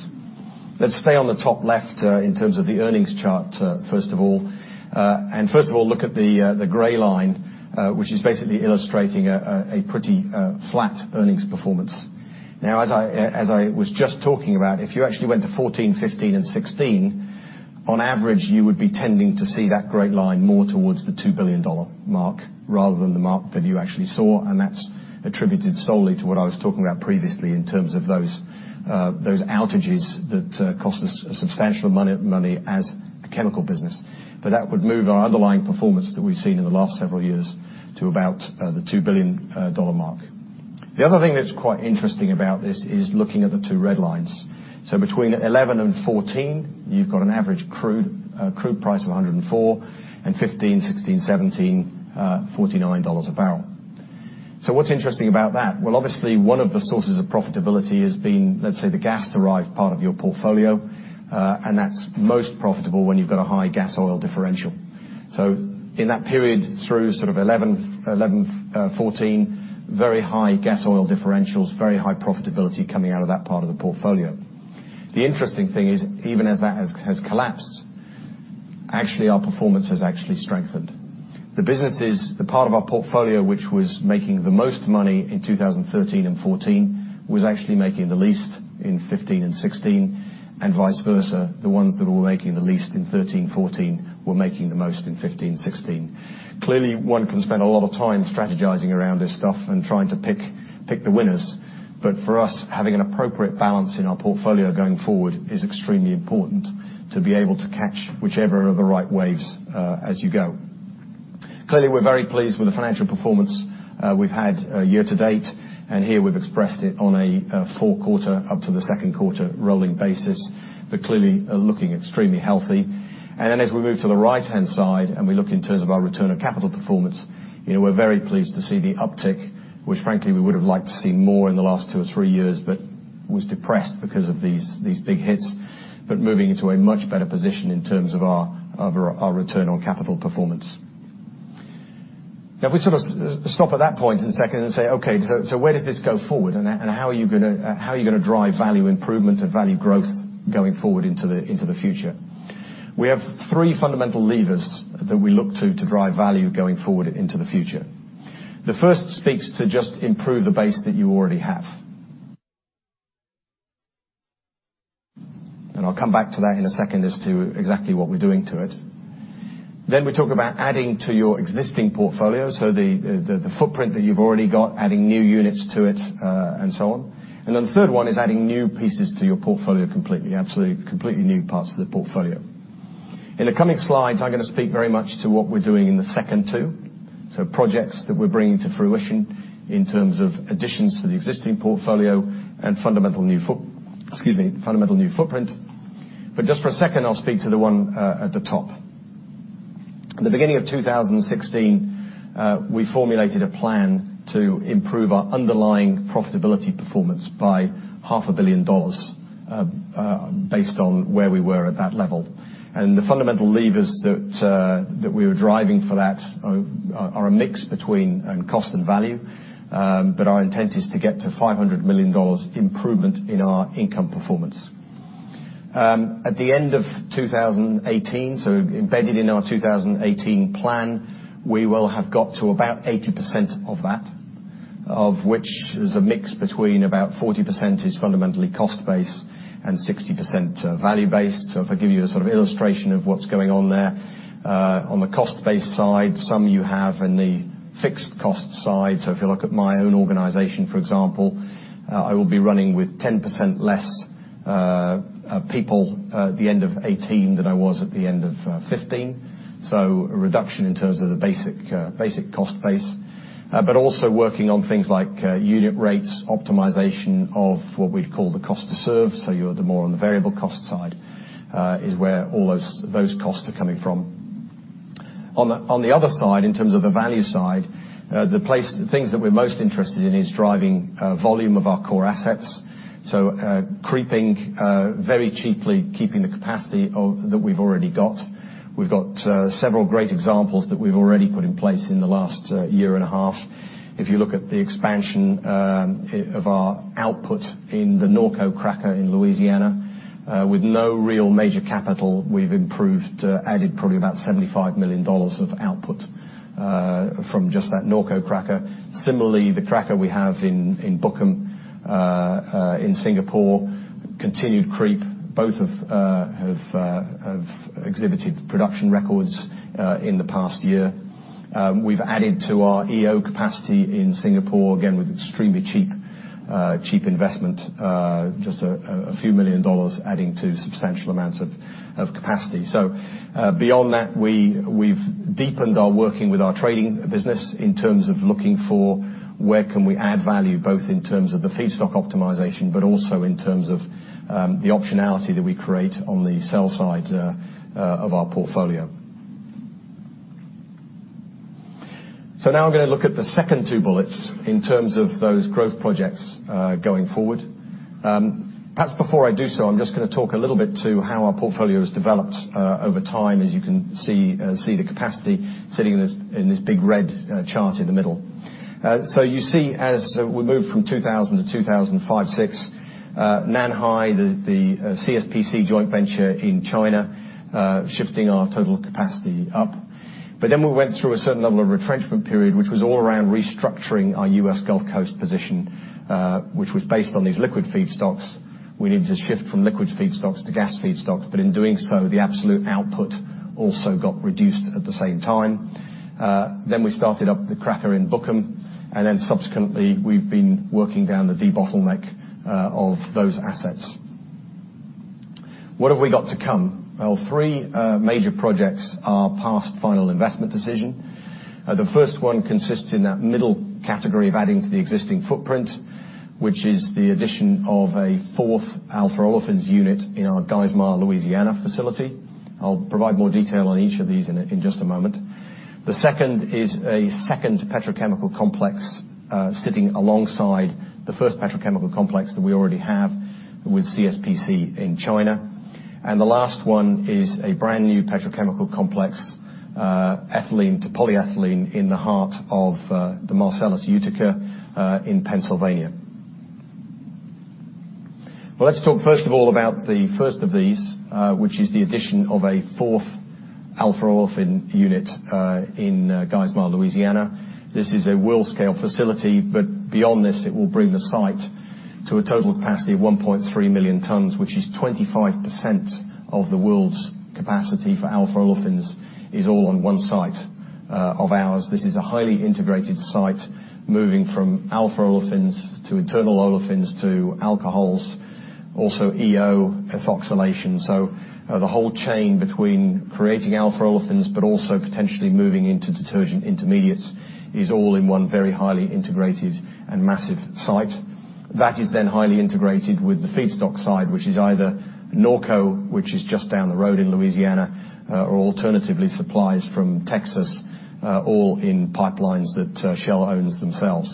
Let's stay on the top left in terms of the earnings chart, first of all. First of all, look at the gray line, which is basically illustrating a pretty flat earnings performance. As I was just talking about, if you actually went to 2014, 2015, and 2016, on average, you would be tending to see that gray line more towards the $2 billion mark rather than the mark that you actually saw, and that's attributed solely to what I was talking about previously in terms of those outages that cost us substantial money as a chemical business. That would move our underlying performance that we've seen in the last several years to about the $2 billion mark. The other thing that's quite interesting about this is looking at the two red lines. Between 2011 and 2014, you've got an average crude price of $104, 2015, 2016, 2017, $49 a barrel. What's interesting about that? Well, obviously one of the sources of profitability has been, let's say, the gas-derived part of your portfolio. That's most profitable when you've got a high gas oil differential. In that period through sort of 2011 to 2014, very high gas oil differentials, very high profitability coming out of that part of the portfolio. The interesting thing is, even as that has collapsed, actually our performance has actually strengthened. The businesses, the part of our portfolio which was making the most money in 2013 and 2014, was actually making the least in 2015 and 2016, and vice versa. The ones that were making the least in 2013, 2014, were making the most in 2015, 2016. Clearly, one can spend a lot of time strategizing around this stuff and trying to pick the winners. For us, having an appropriate balance in our portfolio going forward is extremely important to be able to catch whichever are the right waves as you go. Clearly, we're very pleased with the financial performance we've had year to date, and here we've expressed it on a 4 quarter up to the 2Q rolling basis, clearly looking extremely healthy. As we move to the right-hand side and we look in terms of our return on capital performance, we're very pleased to see the uptick, which frankly we would've liked to see more in the last 2 or 3 years, was depressed because of these big hits. Moving into a much better position in terms of our return on capital performance. If we sort of stop at that point a second and say, okay, where does this go forward? How are you going to drive value improvement and value growth going forward into the future? We have 3 fundamental levers that we look to to drive value going forward into the future. The first speaks to just improve the base that you already have. I'll come back to that in a second as to exactly what we're doing to it. We talk about adding to your existing portfolio, so the footprint that you've already got, adding new units to it, and so on. The third one is adding new pieces to your portfolio completely, absolutely completely new parts to the portfolio. In the coming slides, I'm going to speak very much to what we're doing in the second 2, so projects that we're bringing to fruition in terms of additions to the existing portfolio and fundamental new footprint. Just for a second, I'll speak to the one at the top. At the beginning of 2016, we formulated a plan to improve our underlying profitability performance by half a billion dollars, based on where we were at that level. The fundamental levers that we were driving for that are a mix between cost and value. Our intent is to get to $500 million improvement in our income performance. At the end of 2018, so embedded in our 2018 plan, we will have got to about 80% of that, of which is a mix between about 40% is fundamentally cost-based and 60% value-based. If I give you a sort of illustration of what's going on there. On the cost-based side, some you have in the fixed cost side. If you look at my own organization, for example, I will be running with 10% less people at the end of 2018 than I was at the end of 2015. A reduction in terms of the basic cost base. Also working on things like unit rates, optimization of what we'd call the cost to serve, so you're more on the variable cost side, is where all those costs are coming from. On the other side, in terms of the value side, the things that we're most interested in is driving volume of our core assets. Creeping very cheaply, keeping the capacity that we've already got. We've got several great examples that we've already put in place in the last year and a half. If you look at the expansion of our output in the Norco cracker in Louisiana, with no real major capital, we've improved, added probably about $75 million of output from just that Norco cracker. Similarly, the cracker we have in Bukom, in Singapore, continued creep. Both have exhibited production records in the past year. We've added to our EO capacity in Singapore, again, with extremely cheap investment, just a few million dollars adding to substantial amounts of capacity. Beyond that, we've deepened our working with our trading business in terms of looking for where can we add value, both in terms of the feedstock optimization, but also in terms of the optionality that we create on the sell side of our portfolio. Now I'm going to look at the second two bullets in terms of those growth projects going forward. Perhaps before I do so, I'm just going to talk a little bit to how our portfolio has developed over time, as you can see the capacity sitting in this big red chart in the middle. You see as we move from 2000 to 2005-2006, Nanhai, the CSPC joint venture in China, shifting our total capacity up. We went through a certain level of retrenchment period, which was all around restructuring our U.S. Gulf Coast position, which was based on these liquid feedstocks. We needed to shift from liquid feedstocks to gas feedstocks, but in doing so, the absolute output also got reduced at the same time. We started up the cracker in Bukom, and then subsequently, we've been working down the debottleneck of those assets. What have we got to come? Three major projects are past final investment decision. The first one consists in that middle category of adding to the existing footprint, which is the addition of a fourth alpha olefins unit in our Geismar, Louisiana facility. I'll provide more detail on each of these in just a moment. The second is a second petrochemical complex sitting alongside the first petrochemical complex that we already have with CSPC in China. The last one is a brand-new petrochemical complex, ethylene to polyethylene, in the heart of the Marcellus Utica in Pennsylvania. Let's talk first of all about the first of these, which is the addition of a fourth alpha olefin unit in Geismar, Louisiana. This is a world-scale facility. Beyond this, it will bring the site to a total capacity of 1.3 million tons, which is 25% of the world's capacity for alpha olefins is all on one site of ours. This is a highly integrated site, moving from alpha olefins to internal olefins to alcohols, also EO ethoxylation. The whole chain between creating alpha olefins but also potentially moving into detergent intermediates is all in one very highly integrated and massive site. That is then highly integrated with the feedstock side, which is either Norco, which is just down the road in Louisiana, or alternatively, supplies from Texas, all in pipelines that Shell owns themselves.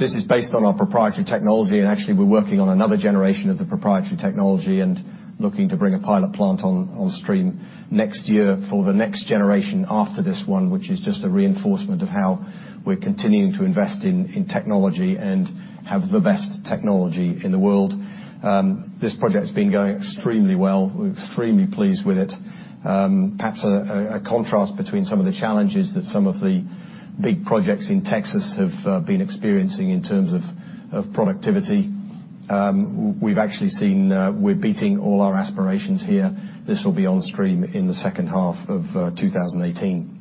This is based on our proprietary technology. Actually, we're working on another generation of the proprietary technology and looking to bring a pilot plant on stream next year for the next generation after this one, which is just a reinforcement of how we're continuing to invest in technology and have the best technology in the world. This project's been going extremely well. We're extremely pleased with it. Perhaps a contrast between some of the challenges that some of the big projects in Texas have been experiencing in terms of productivity. We're beating all our aspirations here. This will be on stream in the second half of 2018.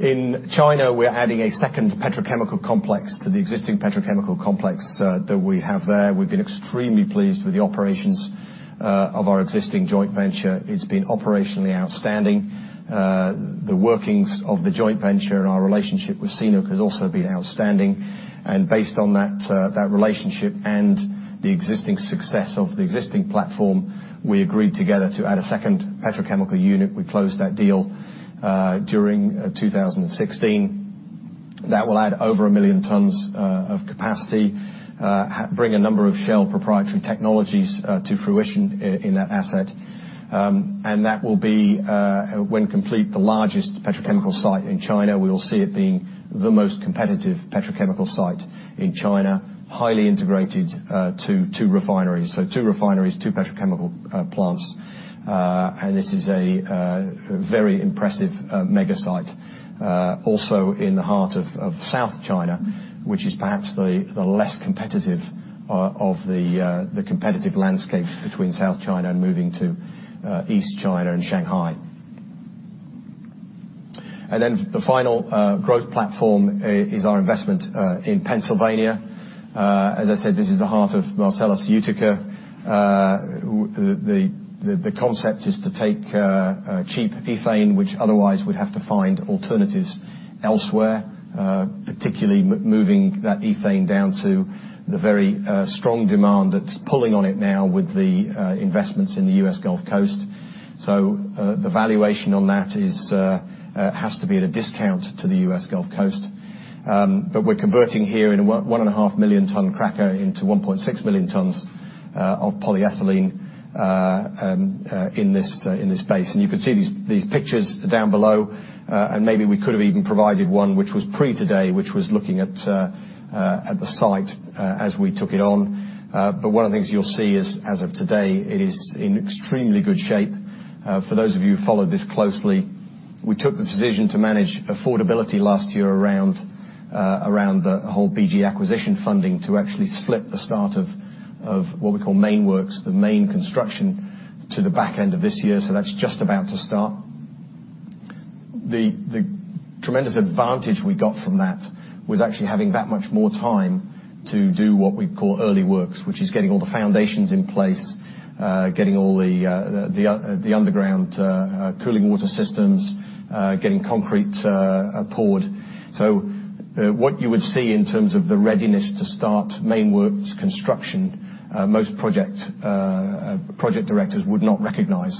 In China, we're adding a second petrochemical complex to the existing petrochemical complex that we have there. We've been extremely pleased with the operations of our existing joint venture. It's been operationally outstanding. The workings of the joint venture and our relationship with Sinopec has also been outstanding. Based on that relationship and the existing success of the existing platform, we agreed together to add a second petrochemical unit. We closed that deal during 2016. That will add over 1 million tons of capacity, bring a number of Shell proprietary technologies to fruition in that asset. That will be, when complete, the largest petrochemical site in China. We will see it being the most competitive petrochemical site in China, highly integrated to two refineries. Two refineries, two petrochemical plants. This is a very impressive mega site also in the heart of South China, which is perhaps the less competitive of the competitive landscapes between South China and moving to East China and Shanghai. The final growth platform is our investment in Pennsylvania. As I said, this is the heart of Marcellus Utica. The concept is to take cheap ethane, which otherwise we'd have to find alternatives elsewhere, particularly moving that ethane down to the very strong demand that's pulling on it now with the investments in the U.S. Gulf Coast. The valuation on that has to be at a discount to the U.S. Gulf Coast. We're converting here in a one and a half million ton cracker into 1.6 million tons of polyethylene in this space. You can see these pictures down below, and maybe we could have even provided one which was pre-today, which was looking at the site as we took it on. One of the things you'll see is, as of today, it is in extremely good shape. For those of you who followed this closely, we took the decision to manage affordability last year around the whole BG acquisition funding to actually slip the start of what we call main works, the main construction, to the back end of this year. That's just about to start. The tremendous advantage we got from that was actually having that much more time to do what we call early works, which is getting all the foundations in place, getting all the underground cooling water systems, getting concrete poured. What you would see in terms of the readiness to start main works construction, most project directors would not recognize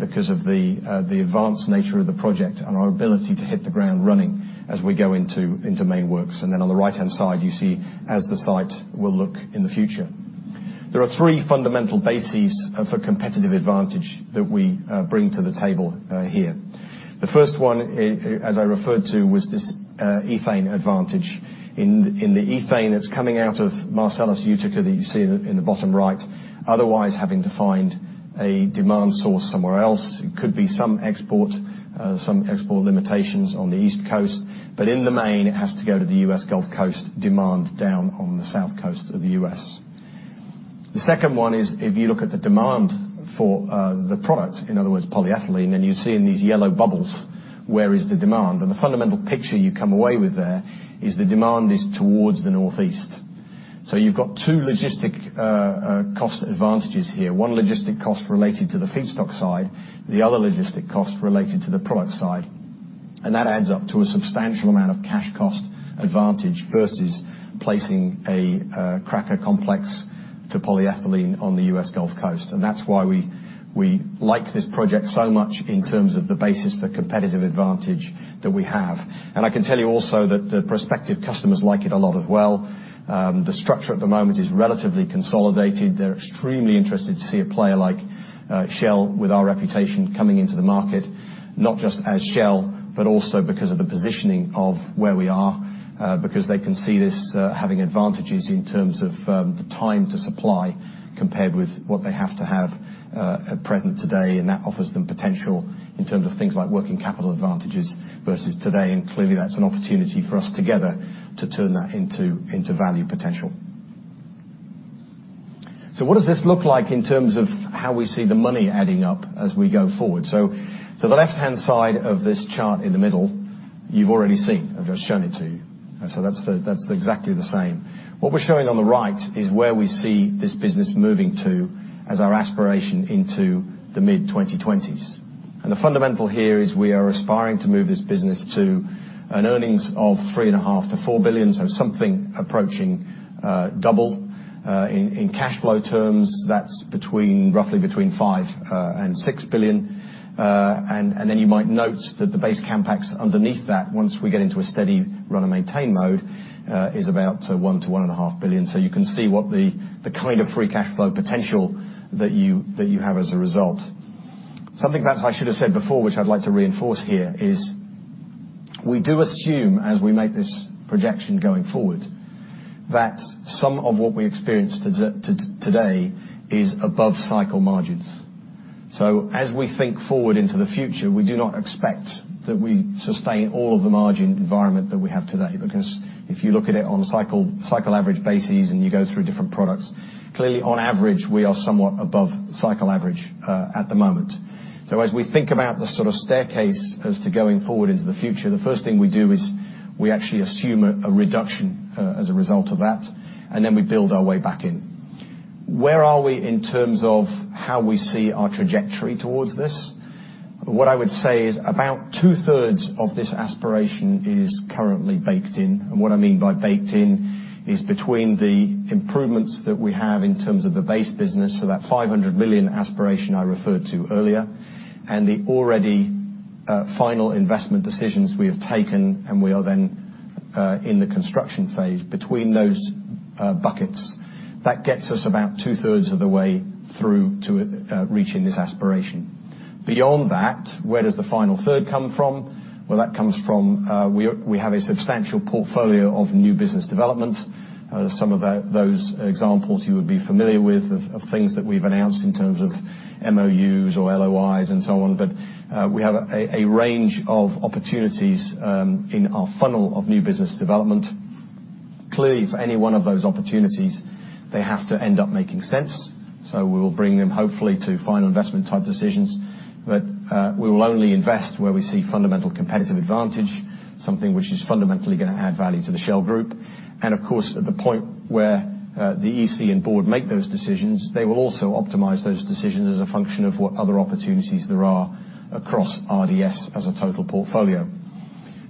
because of the advanced nature of the project and our ability to hit the ground running as we go into main works. On the right-hand side, you see as the site will look in the future. There are three fundamental bases of a competitive advantage that we bring to the table here. The first one, as I referred to, was this ethane advantage. In the ethane that's coming out of Marcellus Utica that you see in the bottom right, otherwise having to find a demand source somewhere else, it could be some export limitations on the East Coast. In the main, it has to go to the U.S. Gulf Coast, demand down on the south coast of the U.S. The second one is if you look at the demand for the product, in other words, polyethylene, and you see in these yellow bubbles where is the demand. The fundamental picture you come away with there is the demand is towards the northeast. You've got two logistic cost advantages here. One logistic cost related to the feedstock side, the other logistic cost related to the product side. That adds up to a substantial amount of cash cost advantage versus placing a cracker complex to polyethylene on the U.S. Gulf Coast. That's why we like this project so much in terms of the basis for competitive advantage that we have. I can tell you also that the prospective customers like it a lot as well. The structure at the moment is relatively consolidated. They're extremely interested to see a player like Shell with our reputation coming into the market, not just as Shell, but also because of the positioning of where we are, because they can see this having advantages in terms of the time to supply compared with what they have to have at present today. That offers them potential in terms of things like working capital advantages versus today. Clearly, that's an opportunity for us together to turn that into value potential. What does this look like in terms of how we see the money adding up as we go forward? The left-hand side of this chart in the middle, you've already seen. I've just shown it to you. That's exactly the same. What we're showing on the right is where we see this business moving to as our aspiration into the mid-2020s. The fundamental here is we are aspiring to move this business to an earnings of $3.5 billion-$4 billion, something approaching double. In cash flow terms, that's roughly between $5 billion and $6 billion. You might note that the base CapEx underneath that, once we get into a steady run and maintain mode, is about $1 billion to $1.5 billion. You can see what the kind of free cash flow potential that you have as a result. Something perhaps I should have said before, which I'd like to reinforce here, is we do assume, as we make this projection going forward, that some of what we experience today is above cycle margins. As we think forward into the future, we do not expect that we sustain all of the margin environment that we have today, because if you look at it on a cycle average basis and you go through different products, clearly, on average, we are somewhat above cycle average at the moment. As we think about the sort of staircase as to going forward into the future, the first thing we do is we actually assume a reduction as a result of that, then we build our way back in. Where are we in terms of how we see our trajectory towards this? What I would say is about two-thirds of this aspiration is currently baked in. What I mean by baked in is between the improvements that we have in terms of the base business for that $500 million aspiration I referred to earlier, and the already final investment decisions we have taken, and we are then in the construction phase between those buckets. That gets us about two-thirds of the way through to reaching this aspiration. Beyond that, where does the final third come from? That comes from we have a substantial portfolio of new business development. Some of those examples you would be familiar with of things that we've announced in terms of MOUs or LOIs and so on. We have a range of opportunities in our funnel of new business development. Clearly, for any one of those opportunities, they have to end up making sense. We will bring them hopefully to final investment type decisions. We will only invest where we see fundamental competitive advantage, something which is fundamentally going to add value to the Shell Group. Of course, at the point where the EC and board make those decisions, they will also optimize those decisions as a function of what other opportunities there are across RDS as a total portfolio.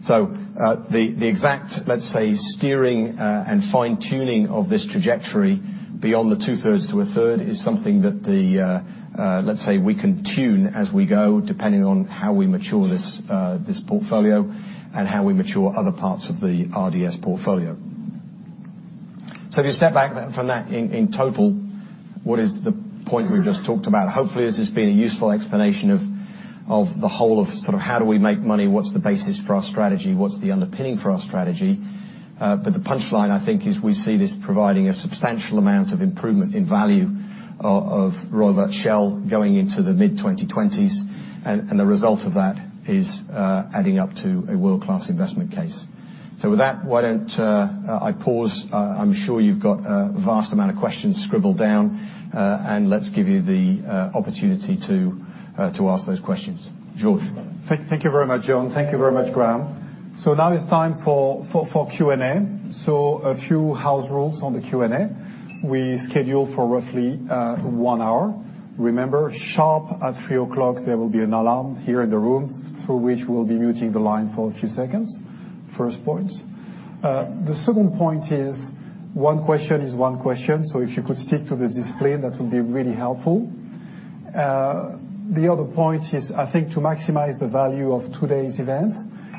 The exact, let's say, steering and fine-tuning of this trajectory beyond the two-thirds to a third is something that the, let's say, we can tune as we go, depending on how we mature this portfolio and how we mature other parts of the RDS portfolio. If you step back from that in total, what is the point we've just talked about? Hopefully, this has been a useful explanation of the whole of sort of how do we make money, what's the basis for our strategy, what's the underpinning for our strategy. The punchline, I think is we see this providing a substantial amount of improvement in value of Royal Dutch Shell going into the mid-2020s. The result of that is adding up to a world-class investment case. With that, why don't I pause? I'm sure you've got a vast amount of questions scribbled down. Let's give you the opportunity to ask those questions, George. Thank you very much, John. Thank you very much, Graham. Now it's time for Q&A. A few house rules on the Q&A. We schedule for roughly one hour. Remember, sharp at three o'clock, there will be an alarm here in the room through which we'll be muting the line for a few seconds. First point. The second point is one question is one question. If you could stick to the discipline, that would be really helpful. The other point is, I think, to maximize the value of today's event.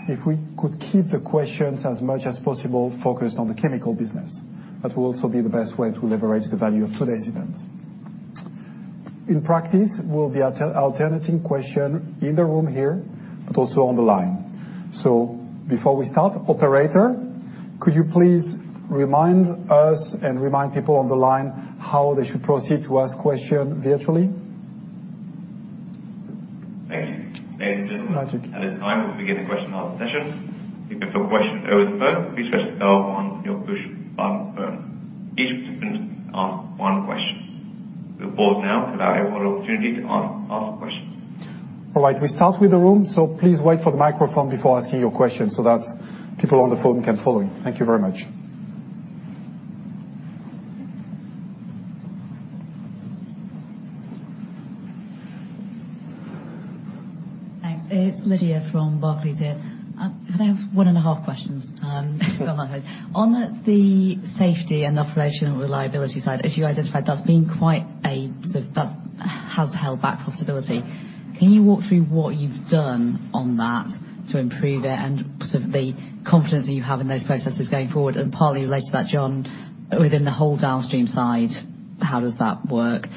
If we could keep the questions as much as possible focused on the chemical business. That will also be the best way to leverage the value of today's event. In practice, we'll be alternating question in the room here, but also on the line. Before we start, operator, could you please remind us and remind people on the line how they should proceed to ask question virtually? Thank you. Thank you It is time we begin the question and answer session. If you have a question over the phone, please press star one on your push button phone. Each participant may ask one question. We'll pause now to allow everyone an opportunity to ask questions. All right, we start with the room. Please wait for the microphone before asking your question so that people on the phone can follow. Thank you very much. Thanks. It's Lydia from Barclays here. Could I have one and a half questions? Go ahead. On the safety and operation reliability side, as you identified, that's been quite a, sort of, that has held back profitability. Can you walk through what you've done on that to improve it and sort of the confidence that you have in those processes going forward? Partly related to that, John, within the whole downstream side, how does that work?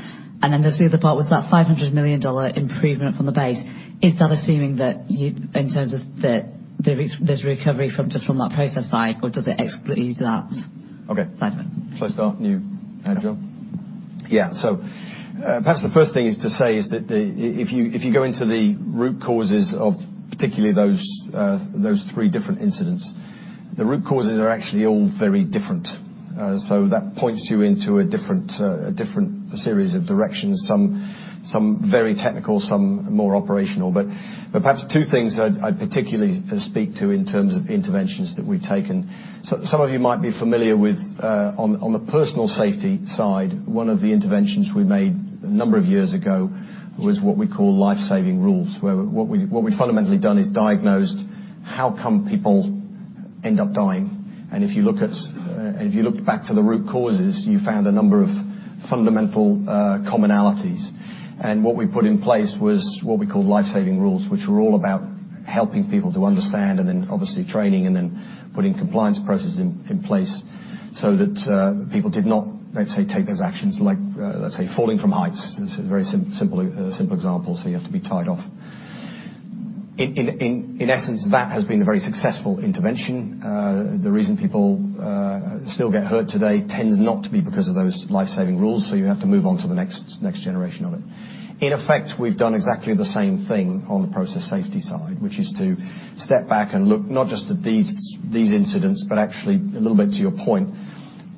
There's the other part. With that $500 million improvement from the base, is that assuming that you, in terms of there's recovery just from that process side, or does it explicitly do that side of it? Okay. Shall I start and you add, John? Yeah. Perhaps the first thing is to say is that if you go into the root causes of particularly those three different incidents, the root causes are actually all very different. That points you into a different series of directions. Some very technical, some more operational. Perhaps two things I'd particularly speak to in terms of interventions that we've taken. Some of you might be familiar with, on the personal safety side, one of the interventions we made a number of years ago was what we call life-saving rules. Where what we've fundamentally done is diagnosed how come people end up dying. If you looked back to the root causes, you found a number of fundamental commonalities. What we put in place was what we call life-saving rules, which were all about helping people to understand, and then obviously training and then putting compliance processes in place so that people did not, let's say, take those actions like, let's say, falling from heights. That's a very simple example. You have to be tied off. In essence, that has been a very successful intervention. The reason people still get hurt today tends not to be because of those life-saving rules, you have to move on to the next generation of it. In effect, we've done exactly the same thing on the process safety side. Which is to step back and look not just at these incidents, but actually a little bit to your point,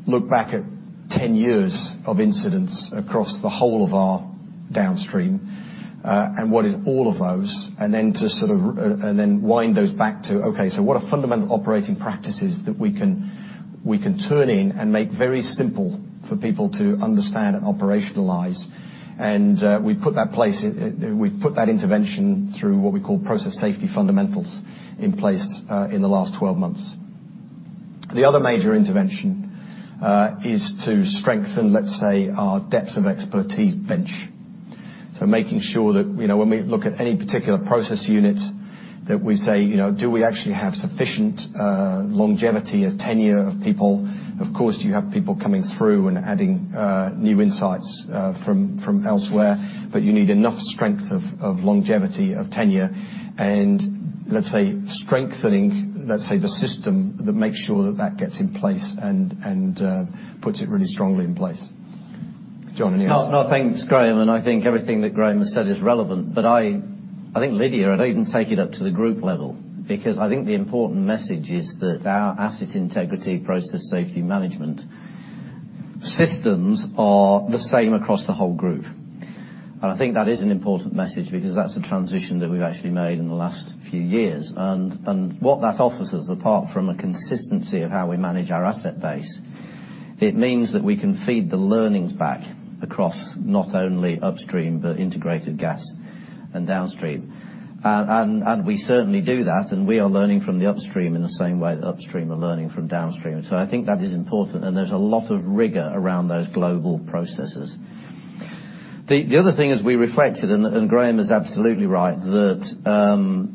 look back at 10 years of incidents across the whole of our downstream, and what is all of those. Wind those back to, okay, what are fundamental operating practices that we can tune in and make very simple for people to understand and operationalize? We put that intervention through what we call process safety fundamentals in place, in the last 12 months. The other major intervention is to strengthen, let's say, our depth of expertise bench. Making sure that when we look at any particular process unit that we say, do we actually have sufficient longevity or tenure of people? Of course, you have people coming through and adding new insights from elsewhere, but you need enough strength of longevity, of tenure. Let's say strengthening the system that makes sure that that gets in place and puts it really strongly in place. John, any- No. Thanks, Graham. I think everything that Graham has said is relevant. I think, Lydia, I'd even take it up to the group level. I think the important message is that our asset integrity process safety management systems are the same across the whole group. I think that is an important message because that's a transition that we've actually made in the last few years. What that offers us, apart from a consistency of how we manage our asset base, it means that we can feed the learnings back across not only upstream, but integrated gas and downstream. We certainly do that, and we are learning from the upstream in the same way that upstream are learning from downstream. I think that is important, and there's a lot of rigor around those global processes. The other thing as we reflected, and Graham is absolutely right, that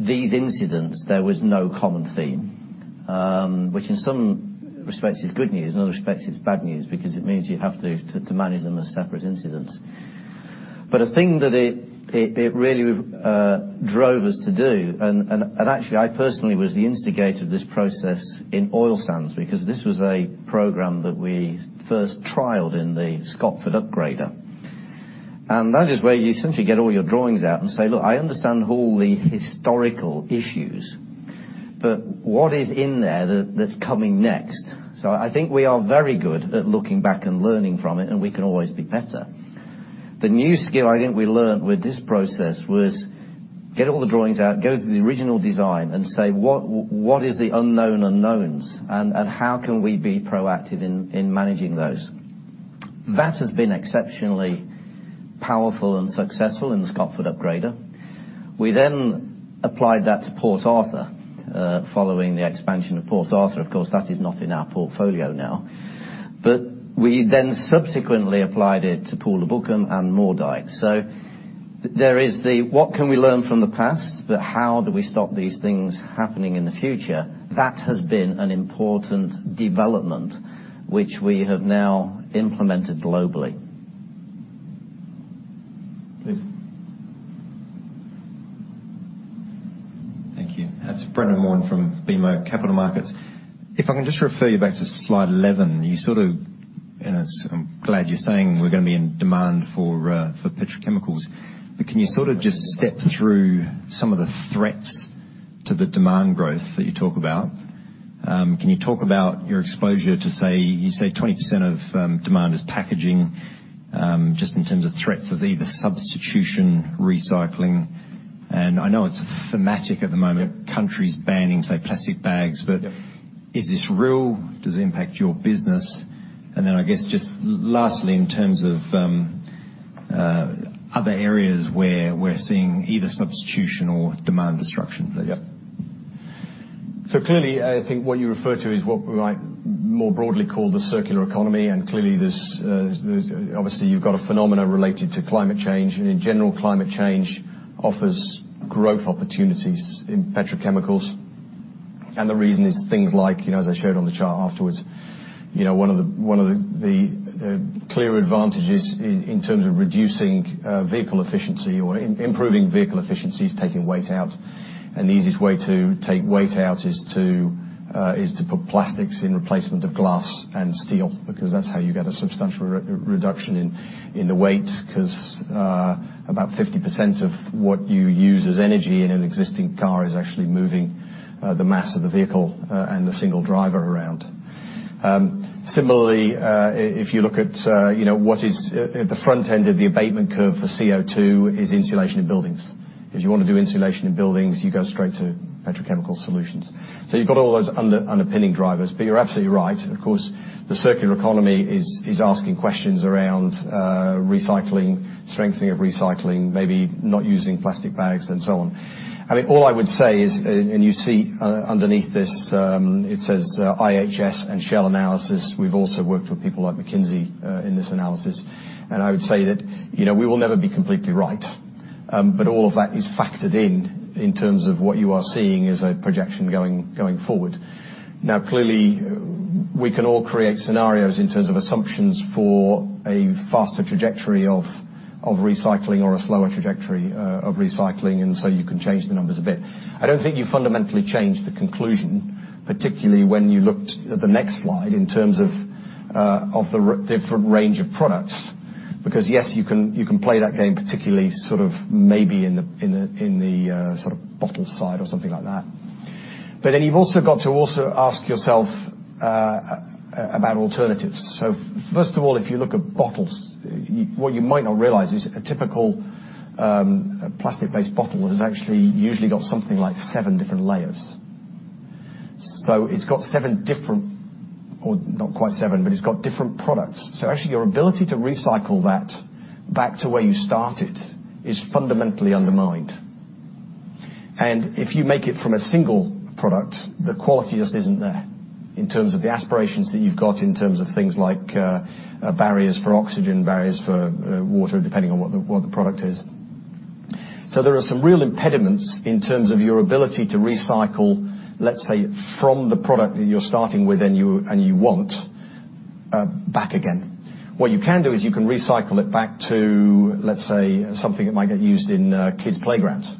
these incidents, there was no common theme. Which in some respects is good news, in other respects it's bad news because it means you have to manage them as separate incidents. A thing that it really drove us to do, and actually I personally was the instigator of this process in oil sands, because this was a program that we first trialed in the Scotford Upgrader. That is where you essentially get all your drawings out and say, "Look, I understand all the historical issues, but what is in there that's coming next?" I think we are very good at looking back and learning from it, and we can always be better. The new skill I think we learned with this process was get all the drawings out, go through the original design and say, what is the unknown unknowns, and how can we be proactive in managing those? That has been exceptionally powerful and successful in the Scotford Upgrader. We then applied that to Port Arthur, following the expansion of Port Arthur. Of course, that is not in our portfolio now. We then subsequently applied it to Pulau Bukom and Moerdijk. There is the what can we learn from the past, how do we stop these things happening in the future? That has been an important development, which we have now implemented globally. Please. Thank you. It's Brendan Moran from BMO Capital Markets. If I can just refer you back to slide 11, I'm glad you're saying we're going to be in demand for petrochemicals, can you sort of just step through some of the threats to the demand growth that you talk about? Can you talk about your exposure to say, you say 20% of demand is packaging, just in terms of threats of either substitution, recycling, I know it's thematic at the moment, countries banning, say, plastic bags. Yep. Is this real? Does it impact your business? I guess just lastly, in terms of other areas where we're seeing either substitution or demand destruction, please. Yep. Clearly, I think what you refer to is what we might more broadly call the circular economy, and clearly, obviously, you've got a phenomena related to climate change. In general, climate change offers growth opportunities in petrochemicals. The reason is things like, as I showed on the chart afterwards, one of the clear advantages in terms of reducing vehicle efficiency or improving vehicle efficiency is taking weight out. The easiest way to take weight out is to put plastics in replacement of glass and steel, because that's how you get a substantial reduction in the weight, because about 50% of what you use as energy in an existing car is actually moving the mass of the vehicle and the single driver around. Similarly, if you look at what is at the front end of the abatement curve for CO2 is insulation in buildings. If you want to do insulation in buildings, you go straight to petrochemical solutions. You've got all those underpinning drivers. You're absolutely right. Of course, the circular economy is asking questions around recycling, strengthening of recycling, maybe not using plastic bags and so on. I mean, all I would say is, and you see underneath this, it says IHS and Shell Analysis. We've also worked with people like McKinsey in this analysis. I would say that we will never be completely right. All of that is factored in terms of what you are seeing as a projection going forward. Clearly, we can all create scenarios in terms of assumptions for a faster trajectory of recycling or a slower trajectory of recycling, you can change the numbers a bit. I don't think you fundamentally change the conclusion, particularly when you looked at the next slide in terms of the different range of products, because yes, you can play that game particularly sort of maybe in the sort of bottle side or something like that. You've also got to also ask yourself about alternatives. First of all, if you look at bottles, what you might not realize is a typical plastic-based bottle has actually usually got something like seven different layers. It's got seven different, or not quite seven, but it's got different products. Actually, your ability to recycle that back to where you started is fundamentally undermined. If you make it from a single product, the quality just isn't there in terms of the aspirations that you've got in terms of things like barriers for oxygen, barriers for water, depending on what the product is. There are some real impediments in terms of your ability to recycle, let's say, from the product that you're starting with and you want back again. What you can do is you can recycle it back to, let's say, something that might get used in kids' playgrounds.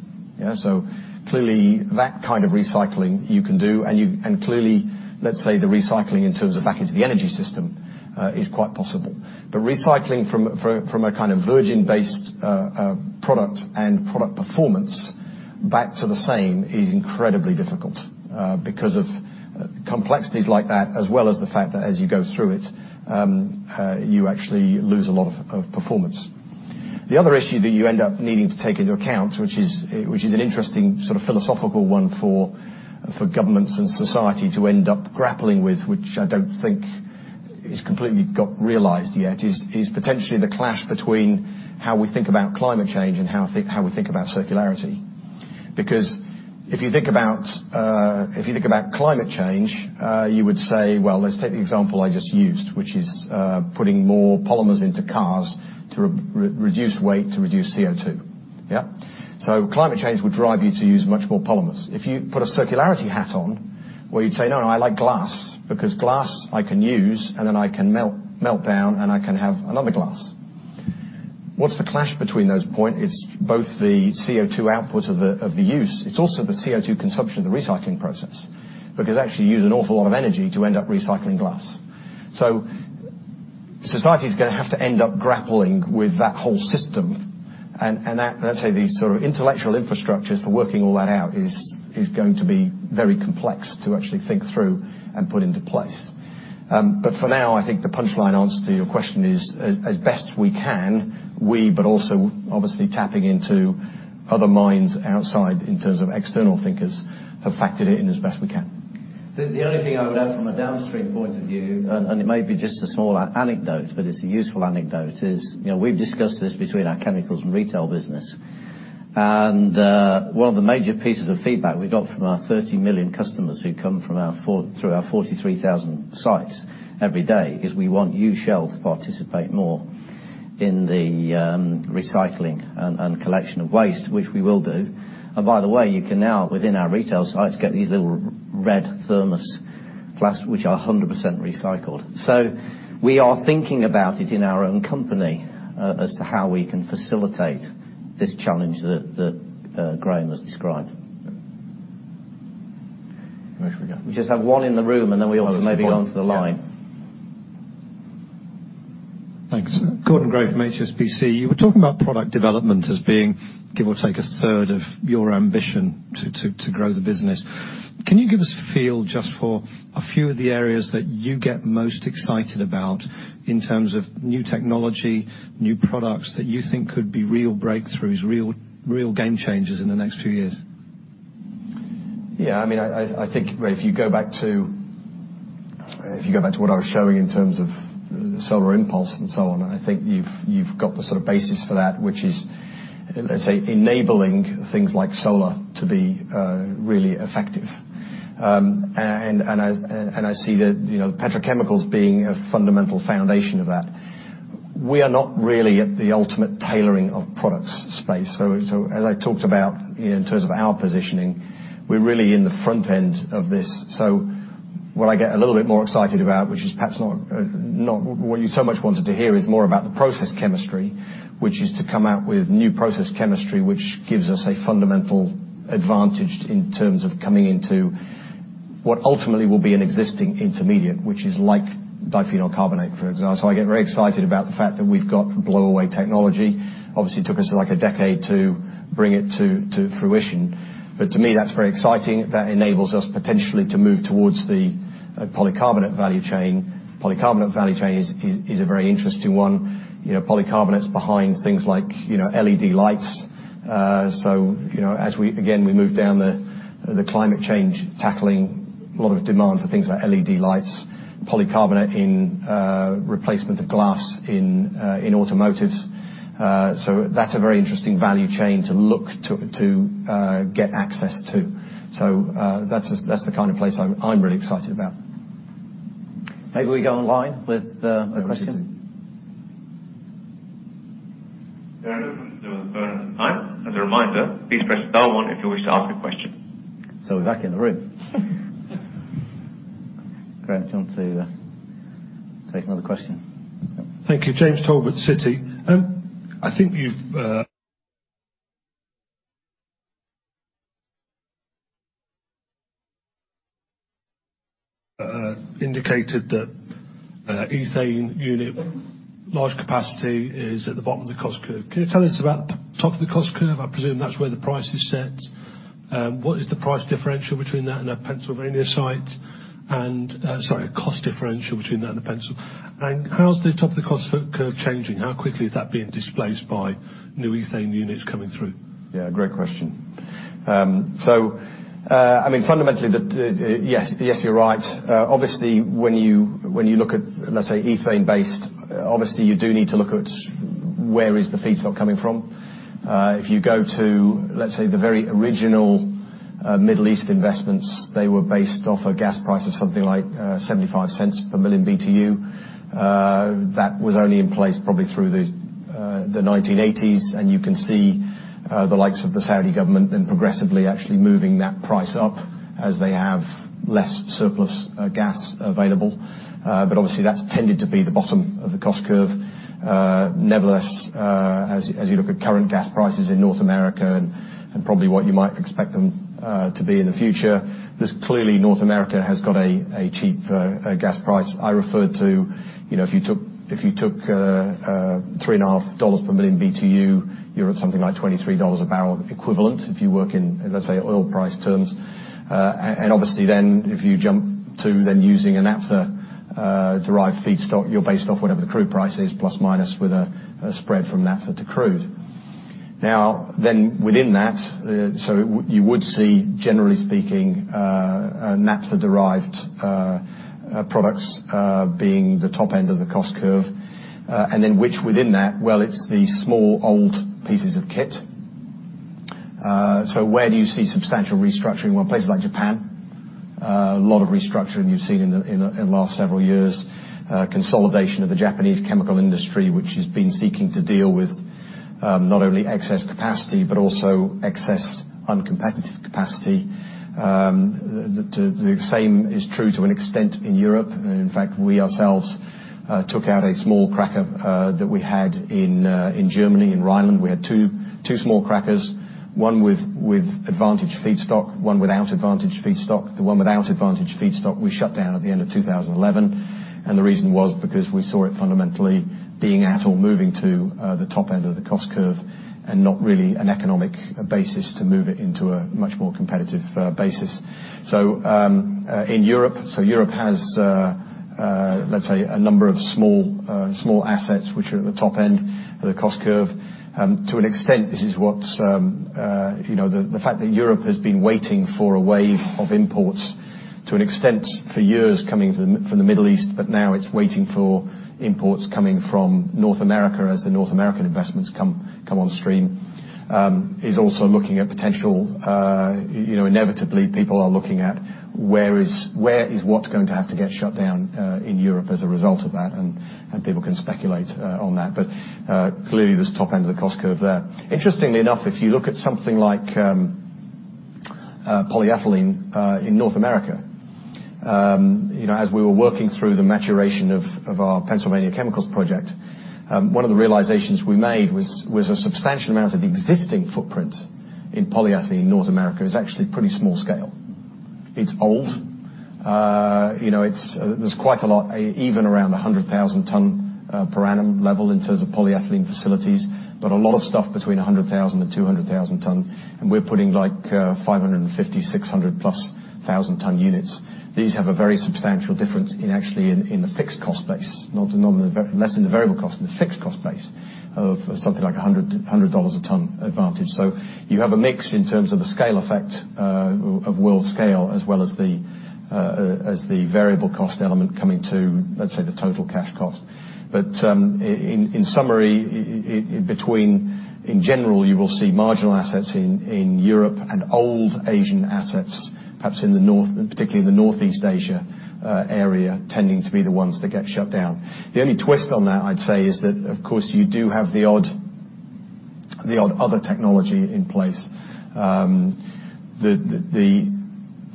Clearly, that kind of recycling you can do, and clearly, let's say the recycling in terms of back into the energy system is quite possible. Recycling from a kind of virgin-based product and product performance back to the same is incredibly difficult because of complexities like that, as well as the fact that as you go through it, you actually lose a lot of performance. The other issue that you end up needing to take into account, which is an interesting sort of philosophical one for governments and society to end up grappling with, which I don't think is completely realized yet, is potentially the clash between how we think about climate change and how we think about circularity. If you think about climate change, you would say, 'Well, let's take the example I just used, which is putting more polymers into cars to reduce weight, to reduce CO2.' Climate change would drive you to use much more polymers. If you put a circularity hat on, well, you'd say, "No, I like glass, because glass I can use, and then I can melt down, and I can have another glass." What's the clash between those points is both the CO2 output of the use. It's also the CO2 consumption of the recycling process. Actually, you use an awful lot of energy to end up recycling glass. Society's going to have to end up grappling with that whole system, and let's say the sort of intellectual infrastructures for working all that out is going to be very complex to actually think through and put into place. For now, I think the punchline answer to your question is, as best we can, we, but also obviously tapping into other minds outside in terms of external thinkers, have factored it in as best we can. The only thing I would add from a downstream point of view, and it may be just a small anecdote, but it's a useful anecdote, is we've discussed this between our chemicals and retail business. One of the major pieces of feedback we got from our 30 million customers who come through our 43,000 sites every day is, "We want you, Shell, to participate more in the recycling and collection of waste," which we will do. By the way, you can now, within our retail sites, get these little red thermos flasks, which are 100% recycled. We are thinking about it in our own company as to how we can facilitate this challenge that Graham has described. Where should we go? We just have one in the room, and then we also maybe go onto the line. Oh, there's one. Yeah. Thanks. Gordon Gray from HSBC. You were talking about product development as being, give or take, a third of your ambition to grow the business. Can you give us a feel just for a few of the areas that you get most excited about in terms of new technology, new products that you think could be real breakthroughs, real game changers in the next few years? Yeah. I think if you go back to what I was showing in terms of Solar Impulse and so on, I think you've got the sort of basis for that, which is, let's say, enabling things like solar to be really effective. I see the petrochemicals being a fundamental foundation of that. We are not really at the ultimate tailoring of products space. As I talked about in terms of our positioning, we're really in the front end of this. What I get a little bit more excited about, which is perhaps not what you so much wanted to hear, is more about the process chemistry, which is to come out with new process chemistry, which gives us a fundamental advantage in terms of coming into what ultimately will be an existing intermediate, which is like diphenyl carbonate, for example. I get very excited about the fact that we've got blow-away technology. Obviously, it took us like a decade to bring it to fruition. To me, that's very exciting. That enables us potentially to move towards the polycarbonate value chain. The polycarbonate value chain is a very interesting one. Polycarbonate's behind things like LED lights. As, again, we move down the climate change, tackling a lot of demand for things like LED lights, polycarbonate in replacement of glass in automotives. That's a very interesting value chain to look to get access to. That's the kind of place I'm really excited about. Maybe we go online with a question. We're going to the phone on the line. As a reminder, please press star one if you wish to ask a question. We're back in the room. Graham, do you want to take another question? Thank you. James Tolbert, Citi. I think you've indicated that ethane unit, large capacity, is at the bottom of the cost curve. Can you tell us about the top of the cost curve? I presume that's where the price is set. What is the price differential between that and that Pennsylvania site? Sorry, cost differential between that and Pennsylvania. How is the top of the cost curve changing? How quickly is that being displaced by new ethane units coming through? Yeah, great question. Fundamentally, yes, you're right. Obviously, when you look at, let's say, ethane based, obviously you do need to look at where is the feedstock coming from. If you go to, let's say, the very original Middle East investments, they were based off a gas price of something like $0.75 per million BTU. That was only in place probably through the 1980s. You can see the likes of the Saudi government then progressively actually moving that price up as they have less surplus gas available. Obviously, that's tended to be the bottom of the cost curve. Nevertheless, as you look at current gas prices in North America and probably what you might expect them to be in the future, clearly North America has got a cheap gas price. I referred to if you took $3.5 per million BTU, you're at something like $23 a barrel equivalent if you work in, let's say, oil price terms. Obviously then, if you jump to then using a naphtha-derived feedstock, you're based off whatever the crude price is, plus or minus with a spread from naphtha to crude. Within that, you would see, generally speaking, naphtha-derived products being the top end of the cost curve. Which within that? Well, it's the small, old pieces of kit. Where do you see substantial restructuring? Well, places like Japan. A lot of restructuring you've seen in the last several years. Consolidation of the Japanese chemical industry, which has been seeking to deal with not only excess capacity, but also excess uncompetitive capacity. The same is true to an extent in Europe. In fact, we ourselves took out a small cracker that we had in Germany, in Rheinland. We had two small crackers, one with advantage feedstock, one without advantage feedstock. The one without advantage feedstock we shut down at the end of 2011, and the reason was because we saw it fundamentally being at or moving to the top end of the cost curve and not really an economic basis to move it into a much more competitive basis. In Europe has let's say, a number of small assets which are at the top end of the cost curve. To an extent, the fact that Europe has been waiting for a wave of imports, to an extent, for years coming from the Middle East, but now it's waiting for imports coming from North America as the North American investments come on stream, is also looking at potential. Inevitably, people are looking at where is what going to have to get shut down in Europe as a result of that, and people can speculate on that. Clearly, there's top end of the cost curve there. Interestingly enough, if you look at something like polyethylene in North America, as we were working through the maturation of our Pennsylvania Chemicals project, one of the realizations we made was a substantial amount of existing footprint in polyethylene in North America is actually pretty small scale. It's old. There's quite a lot, even around 100,000 ton per annum level in terms of polyethylene facilities, but a lot of stuff between 100,000 and 200,000 ton, and we're putting 550, 600-plus thousand ton units. These have a very substantial difference in actually in the fixed cost base, less in the variable cost, in the fixed cost base of something like $100 a ton advantage. You have a mix in terms of the scale effect of world scale as well as the variable cost element coming to, let's say, the total cash cost. In summary, in general, you will see marginal assets in Europe and old Asian assets, perhaps particularly in the Northeast Asia area, tending to be the ones that get shut down. The only twist on that, I'd say, is that, of course, you do have the odd other technology in place. The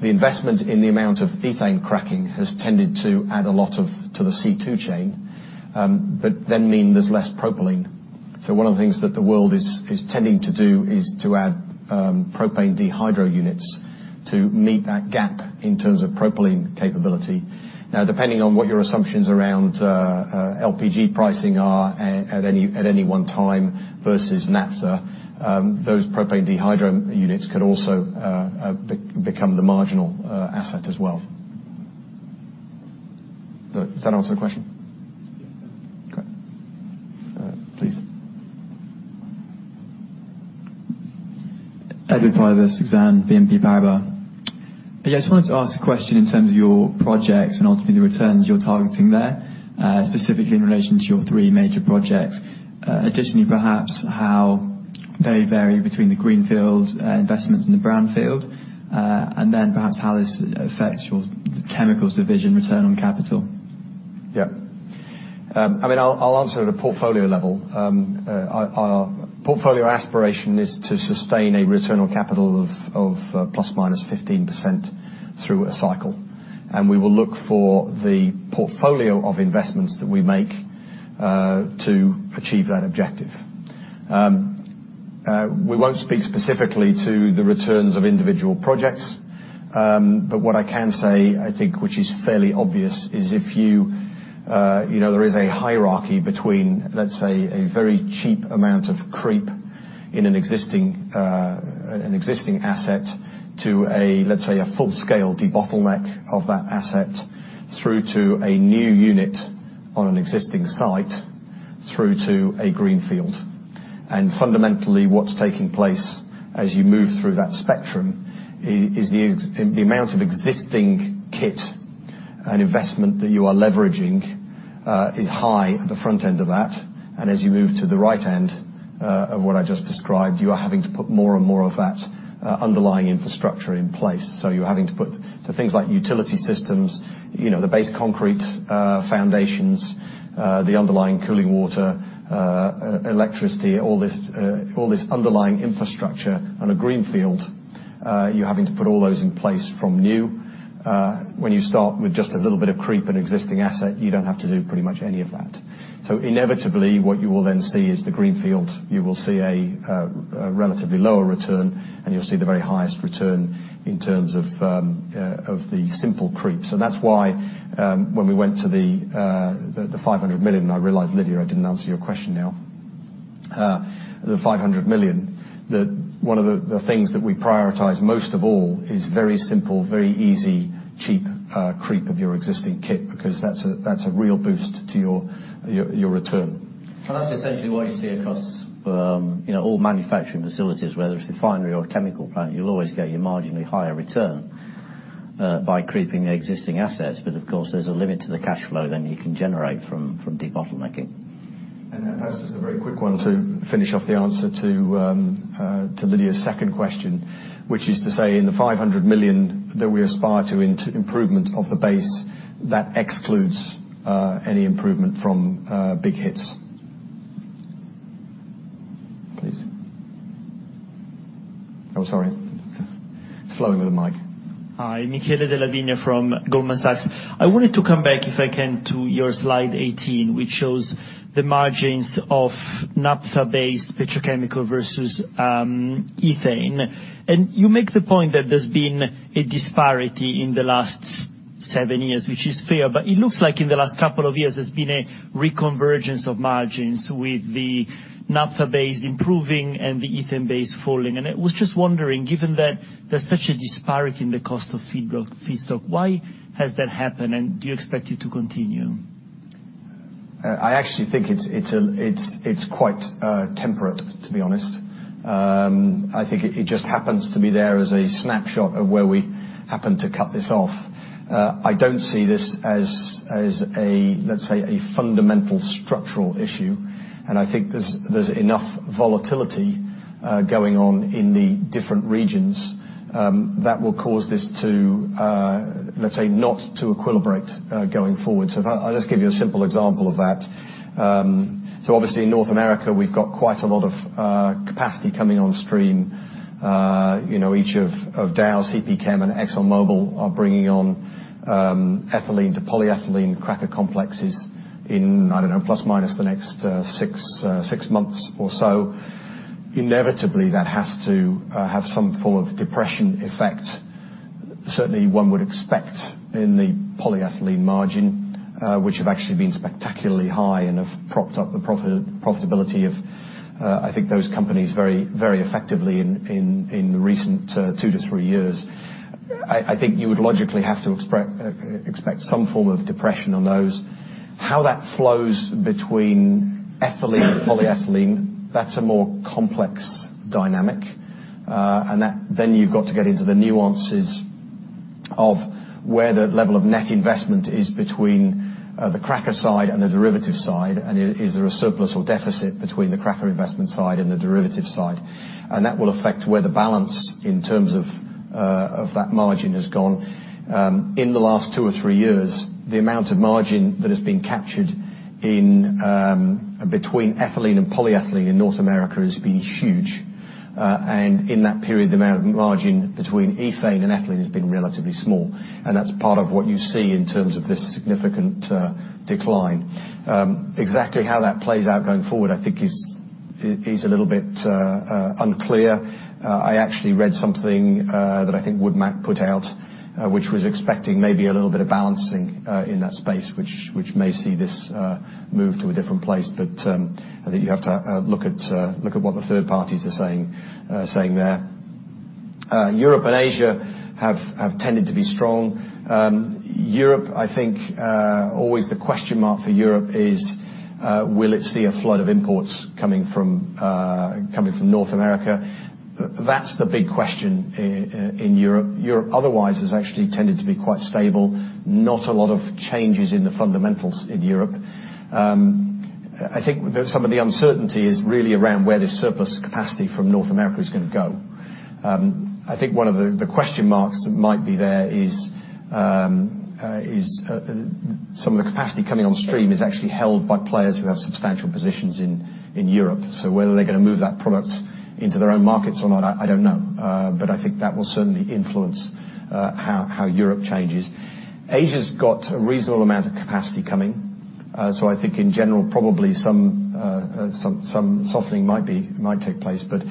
investment in the amount of ethane cracking has tended to add a lot to the C2 chain, but then mean there's less propylene. One of the things that the world is tending to do is to add propane dehydrogenation units to meet that gap in terms of propylene capability. Now, depending on what your assumptions around LPG pricing are at any one time versus naphtha, those propane dehydrogenation units could also become the marginal asset as well. Does that answer your question? Yes, thank you. Great. Please. Edward Firth, Exane BNP Paribas. Yeah, just wanted to ask a question in terms of your projects and ultimately the returns you're targeting there, specifically in relation to your three major projects. Additionally, perhaps how they vary between the greenfield investments and the brownfield, and then perhaps how this affects your chemicals division return on capital. Yeah. I'll answer at a portfolio level. Our portfolio aspiration is to sustain a return on capital of ±15% through a cycle, we will look for the portfolio of investments that we make to achieve that objective. We won't speak specifically to the returns of individual projects, but what I can say, I think, which is fairly obvious, is there is a hierarchy between, let's say, a very cheap amount of creep in an existing asset to, let's say, a full-scale debottleneck of that asset through to a new unit on an existing site through to a greenfield. Fundamentally, what's taking place as you move through that spectrum is the amount of existing kit and investment that you are leveraging is high at the front end of that. As you move to the right end of what I just described, you are having to put more and more of that underlying infrastructure in place. You're having to put things like utility systems, the base concrete foundations, the underlying cooling water, electricity, all this underlying infrastructure on a greenfield, you're having to put all those in place from new. When you start with just a little bit of creep in existing asset, you don't have to do pretty much any of that. Inevitably, what you will then see is the greenfield. You will see a relatively lower return, and you'll see the very highest return in terms of the simple creep. That's why when we went to the $500 million, I realize, Lydia, I didn't answer your question now. The $500 million, one of the things that we prioritize most of all is very simple, very easy, cheap creep of your existing kit, because that's a real boost to your return. That's essentially what you see across all manufacturing facilities, whether it's refinery or chemical plant, you'll always get your marginally higher return by creeping the existing assets. Of course, there's a limit to the cash flow then you can generate from debottlenecking. Perhaps just a very quick one to finish off the answer to Lydia's second question, which is to say in the $500 million that we aspire to into improvement of the base, that excludes any improvement from big hits. Please. Oh, sorry. It's flowing with the mic. Hi, Michele Della Vigna from Goldman Sachs. I wanted to come back, if I can, to your slide 18, which shows the margins of naphtha-based petrochemical versus ethane. You make the point that there's been a disparity in the last seven years, which is fair, but it looks like in the last couple of years, there's been a reconvergence of margins with the naphtha-based improving and the ethane-based falling. I was just wondering, given that there's such a disparity in the cost of feedstock, why has that happened? Do you expect it to continue? I actually think it's quite temperate, to be honest. I think it just happens to be there as a snapshot of where we happen to cut this off. I don't see this as, let's say, a fundamental structural issue, and I think there's enough volatility going on in the different regions that will cause this to, let's say, not to equilibrate going forward. I'll just give you a simple example of that. Obviously, in North America, we've got quite a lot of capacity coming on stream. Each of Dow, CPChem, and ExxonMobil are bringing on ethylene to polyethylene cracker complexes in, I don't know, plus minus the next six months or so. Inevitably, that has to have some form of depression effect. Certainly, one would expect in the polyethylene margin, which have actually been spectacularly high and have propped up the profitability of, I think, those companies very effectively in the recent two to three years. I think you would logically have to expect some form of depression on those. How that flows between ethylene and polyethylene, that's a more complex dynamic. That then you've got to get into the nuances of where the level of net investment is between the cracker side and the derivative side, and is there a surplus or deficit between the cracker investment side and the derivative side. That will affect where the balance in terms of that margin has gone. In the last two or three years, the amount of margin that has been captured between ethylene and polyethylene in North America has been huge. In that period, the amount of margin between ethane and ethylene has been relatively small, and that's part of what you see in terms of this significant decline. Exactly how that plays out going forward, I think, is a little bit unclear. I actually read something that I think WoodMac put out, which was expecting maybe a little bit of balancing in that space, which may see this move to a different place. I think you have to look at what the third parties are saying there. Europe and Asia have tended to be strong. Europe, I think, always the question mark for Europe is, will it see a flood of imports coming from North America? That's the big question in Europe. Europe, otherwise, has actually tended to be quite stable. Not a lot of changes in the fundamentals in Europe. I think that some of the uncertainty is really around where this surplus capacity from North America is going to go. I think one of the question marks that might be there is some of the capacity coming on stream is actually held by players who have substantial positions in Europe. Whether they're going to move that product into their own markets or not, I don't know. I think that will certainly influence how Europe changes. Asia's got a reasonable amount of capacity coming. I think in general, probably some softening might take place. The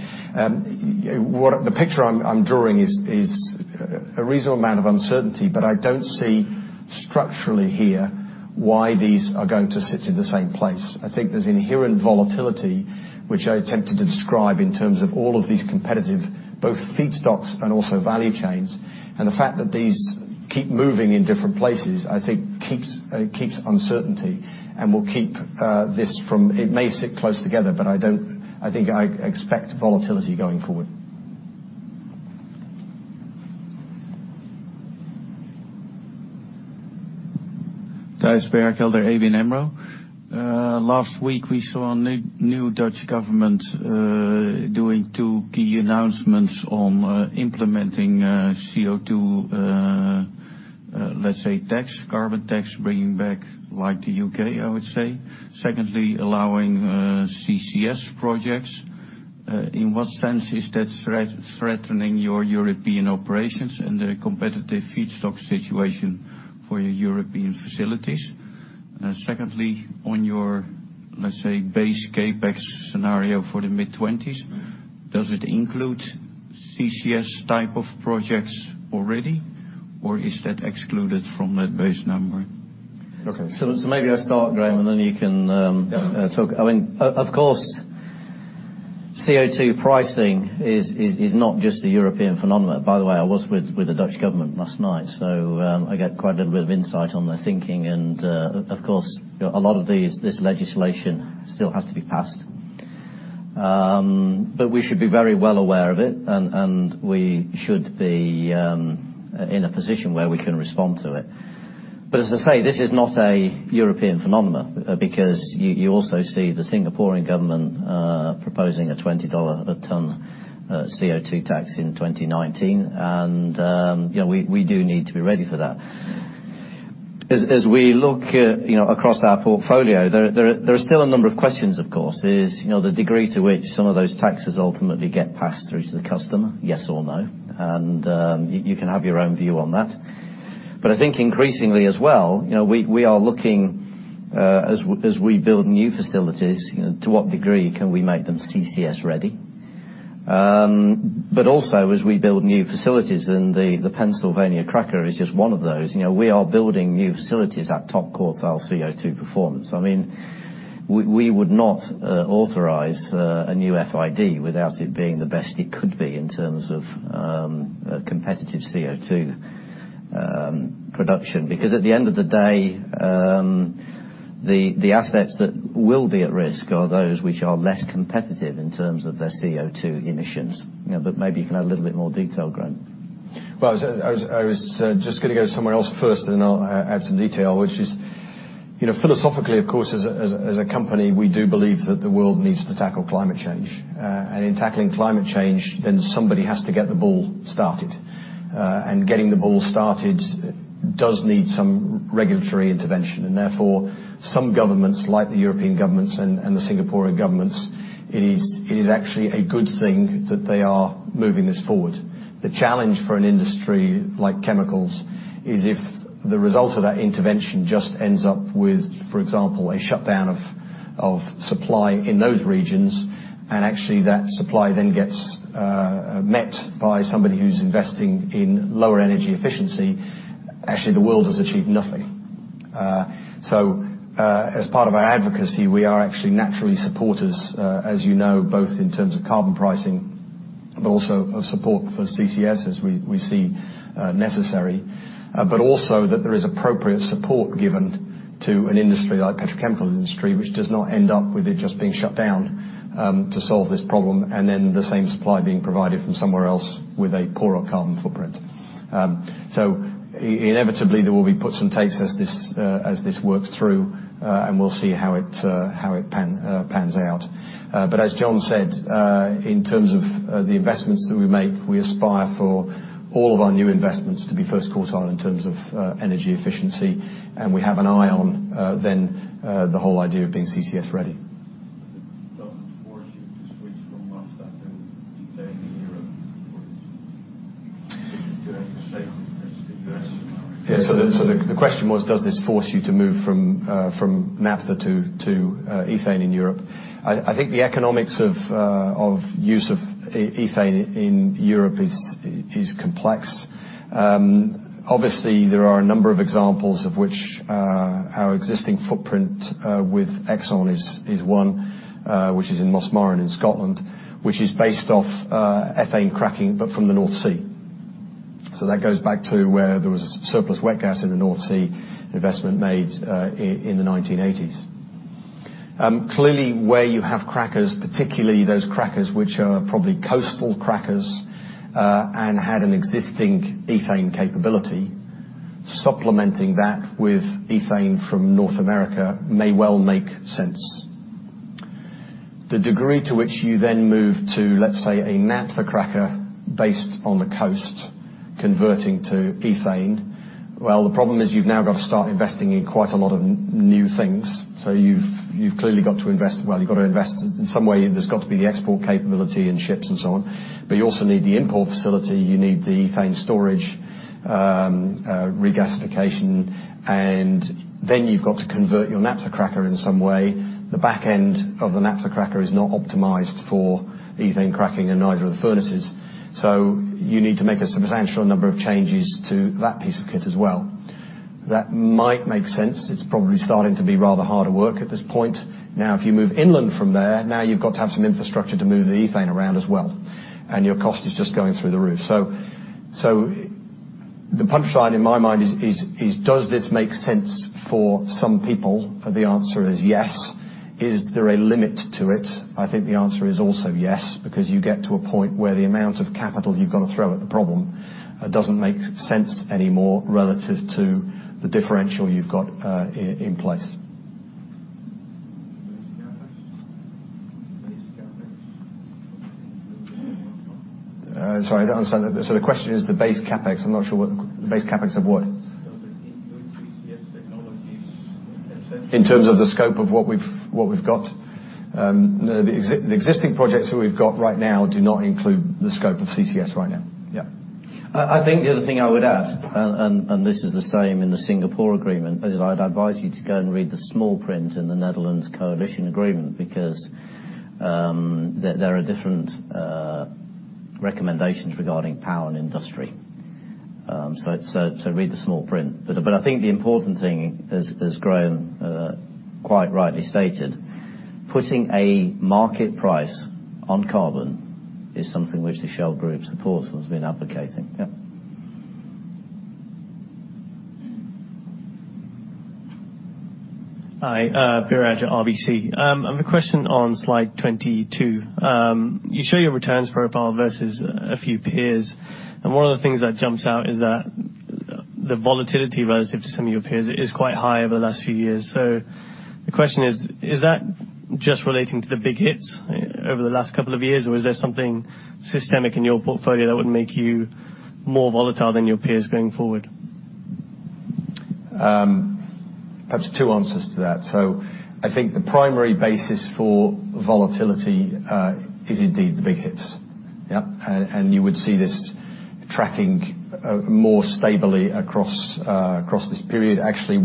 picture I'm drawing is a reasonable amount of uncertainty, but I don't see structurally here why these are going to sit in the same place. I think there's inherent volatility, which I attempted to describe in terms of all of these competitive, both feedstocks and also value chains. The fact that these keep moving in different places, I think, keeps uncertainty. It may sit close together, but I think I expect volatility going forward. Thijs Berkelder of ABN AMRO. Last week, we saw a new Dutch government doing two key announcements on implementing CO2, let's say, tax, carbon tax, bringing back like the U.K., I would say. Secondly, allowing CCS projects. In what sense is that threatening your European operations and the competitive feedstock situation for your European facilities? Secondly, on your, let's say, base CapEx scenario for the mid-'20s, does it include CCS type of projects already, or is that excluded from that base number? Okay. Maybe I'll start, Graham, and then you can talk. I mean, of course, CO2 pricing is not just a European phenomenon. By the way, I was with the Dutch government last night, so I get quite a little bit of insight on their thinking. Of course, a lot of this legislation still has to be passed. We should be very well aware of it, and we should be in a position where we can respond to it. As I say, this is not a European phenomenon because you also see the Singaporean government proposing a $20 a ton CO2 tax in 2019. We do need to be ready for that. As we look across our portfolio, there are still a number of questions, of course. Is the degree to which some of those taxes ultimately get passed through to the customer, yes or no? You can have your own view on that. I think increasingly as well, we are looking as we build new facilities, to what degree can we make them CCS ready? Also, as we build new facilities, and the Pennsylvania cracker is just one of those, we are building new facilities at top quartile CO2 performance. We would not authorize a new FID without it being the best it could be in terms of competitive CO2 production, because at the end of the day, the assets that will be at risk are those which are less competitive in terms of their CO2 emissions. Maybe you can add a little bit more detail, Graham. Well, I was just going to go somewhere else first, then I'll add some detail, which is philosophically, of course, as a company, we do believe that the world needs to tackle climate change. In tackling climate change, then somebody has to get the ball started. Getting the ball started does need some regulatory intervention, and therefore some governments, like the European governments and the Singaporean governments, it is actually a good thing that they are moving this forward. The challenge for an industry like chemicals is if the result of that intervention just ends up with, for example, a shutdown of supply in those regions, and actually that supply then gets met by somebody who's investing in lower energy efficiency, actually, the world has achieved nothing. As part of our advocacy, we are actually naturally supporters, as you know, both in terms of carbon pricing, but also of support for CCS as we see necessary, but also that there is appropriate support given to an industry like the petrochemical industry, which does not end up with it just being shut down to solve this problem, and then the same supply being provided from somewhere else with a poorer carbon footprint. Inevitably, there will be puts and takes as this works through, and we'll see how it pans out. As John said, in terms of the investments that we make, we aspire for all of our new investments to be first quartile in terms of energy efficiency, and we have an eye on then the whole idea of being CCS ready. Does it force you to switch from naphtha to ethane in Europe or do you have the same as the U.S.? The question was, does this force you to move from naphtha to ethane in Europe? I think the economics of use of ethane in Europe is complex. Obviously, there are a number of examples of which our existing footprint with ExxonMobil is one which is in Mossmorran in Scotland, which is based off ethane cracking, but from the North Sea. That goes back to where there was surplus wet gas in the North Sea, an investment made in the 1980s. Clearly, where you have crackers, particularly those crackers which are probably coastal crackers and had an existing ethane capability, supplementing that with ethane from North America may well make sense. The degree to which you then move to, let's say, a naphtha cracker based on the coast converting to ethane, the problem is you've now got to start investing in quite a lot of new things. You've clearly got to invest in some way. There's got to be the export capability and ships and so on. You also need the import facility. You need the ethane storage regasification, and then you've got to convert your naphtha cracker in some way. The back end of the naphtha cracker is not optimized for ethane cracking and neither are the furnaces. You need to make a substantial number of changes to that piece of kit as well. That might make sense. It's probably starting to be rather hard to work at this point. If you move inland from there, now you've got to have some infrastructure to move the ethane around as well, and your cost is just going through the roof. The punchline in my mind is, does this make sense for some people? The answer is yes. Is there a limit to it? I think the answer is also yes, because you get to a point where the amount of capital you've got to throw at the problem doesn't make sense anymore relative to the differential you've got in place. Base CapEx? Sorry, I don't understand that. The question is the base CapEx. I'm not sure, the base CapEx of what? Does it include CCS technologies? In terms of the scope of what we've got? The existing projects that we've got right now do not include the scope of CCS right now. Yeah. I think the other thing I would add, and this is the same in the Singapore agreement, is I'd advise you to go and read the small print in the Netherlands coalition agreement because there are different recommendations regarding power and industry. Read the small print. I think the important thing, as Graham quite rightly stated, putting a market price on carbon is something which the Shell Group supports and has been advocating. Yeah. Hi. Biraj at RBC. I have a question on slide 22. You show your returns profile versus a few peers, one of the things that jumps out is that the volatility relative to some of your peers is quite high over the last few years. The question is that just relating to the big hits over the last couple of years, or is there something systemic in your portfolio that would make you more volatile than your peers going forward? Perhaps two answers to that. I think the primary basis for volatility is indeed the big hits. Yep. You would see this tracking more stably across this period. Actually,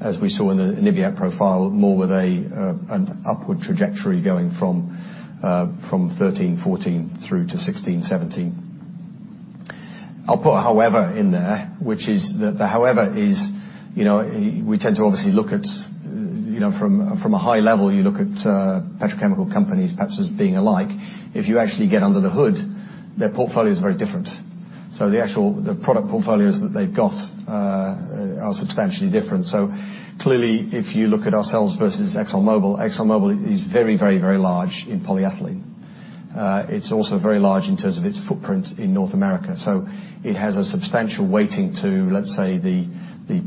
as we saw in the NIBAT profile, more with an upward trajectory going from 2013, 2014 through to 2016, 2017. I'll put a however in there, which is that the however is we tend to obviously look at from a high level, you look at petrochemical companies perhaps as being alike. If you actually get under the hood, their portfolio is very different. The product portfolios that they've got are substantially different. Clearly, if you look at ourselves versus ExxonMobil is very large in polyethylene. It's also very large in terms of its footprint in North America. It has a substantial weighting to, let's say, the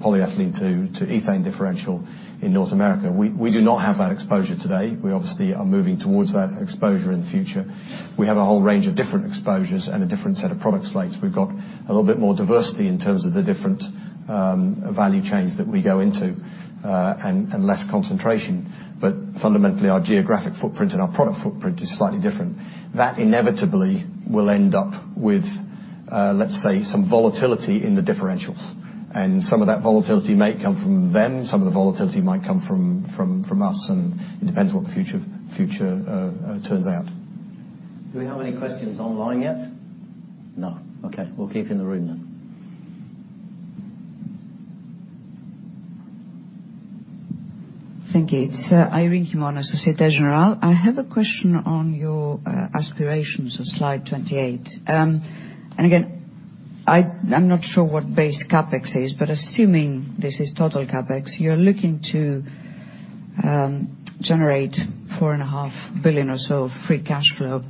polyethylene to ethane differential in North America. We do not have that exposure today. We obviously are moving towards that exposure in the future. We have a whole range of different exposures and a different set of product slates. We've got a little bit more diversity in terms of the different value chains that we go into, and less concentration. Fundamentally, our geographic footprint and our product footprint is slightly different. That inevitably will end up with, let's say, some volatility in the differentials. Some of that volatility may come from them, some of the volatility might come from us, and it depends what the future turns out. Do we have any questions online yet? No. Okay. We'll keep in the room then. Thank you. It's Irene Himona, Societe Generale. I have a question on your aspirations on slide 28. Again, I'm not sure what base CapEx is, but assuming this is total CapEx, you're looking to generate $4.5 billion or so of free cash flow.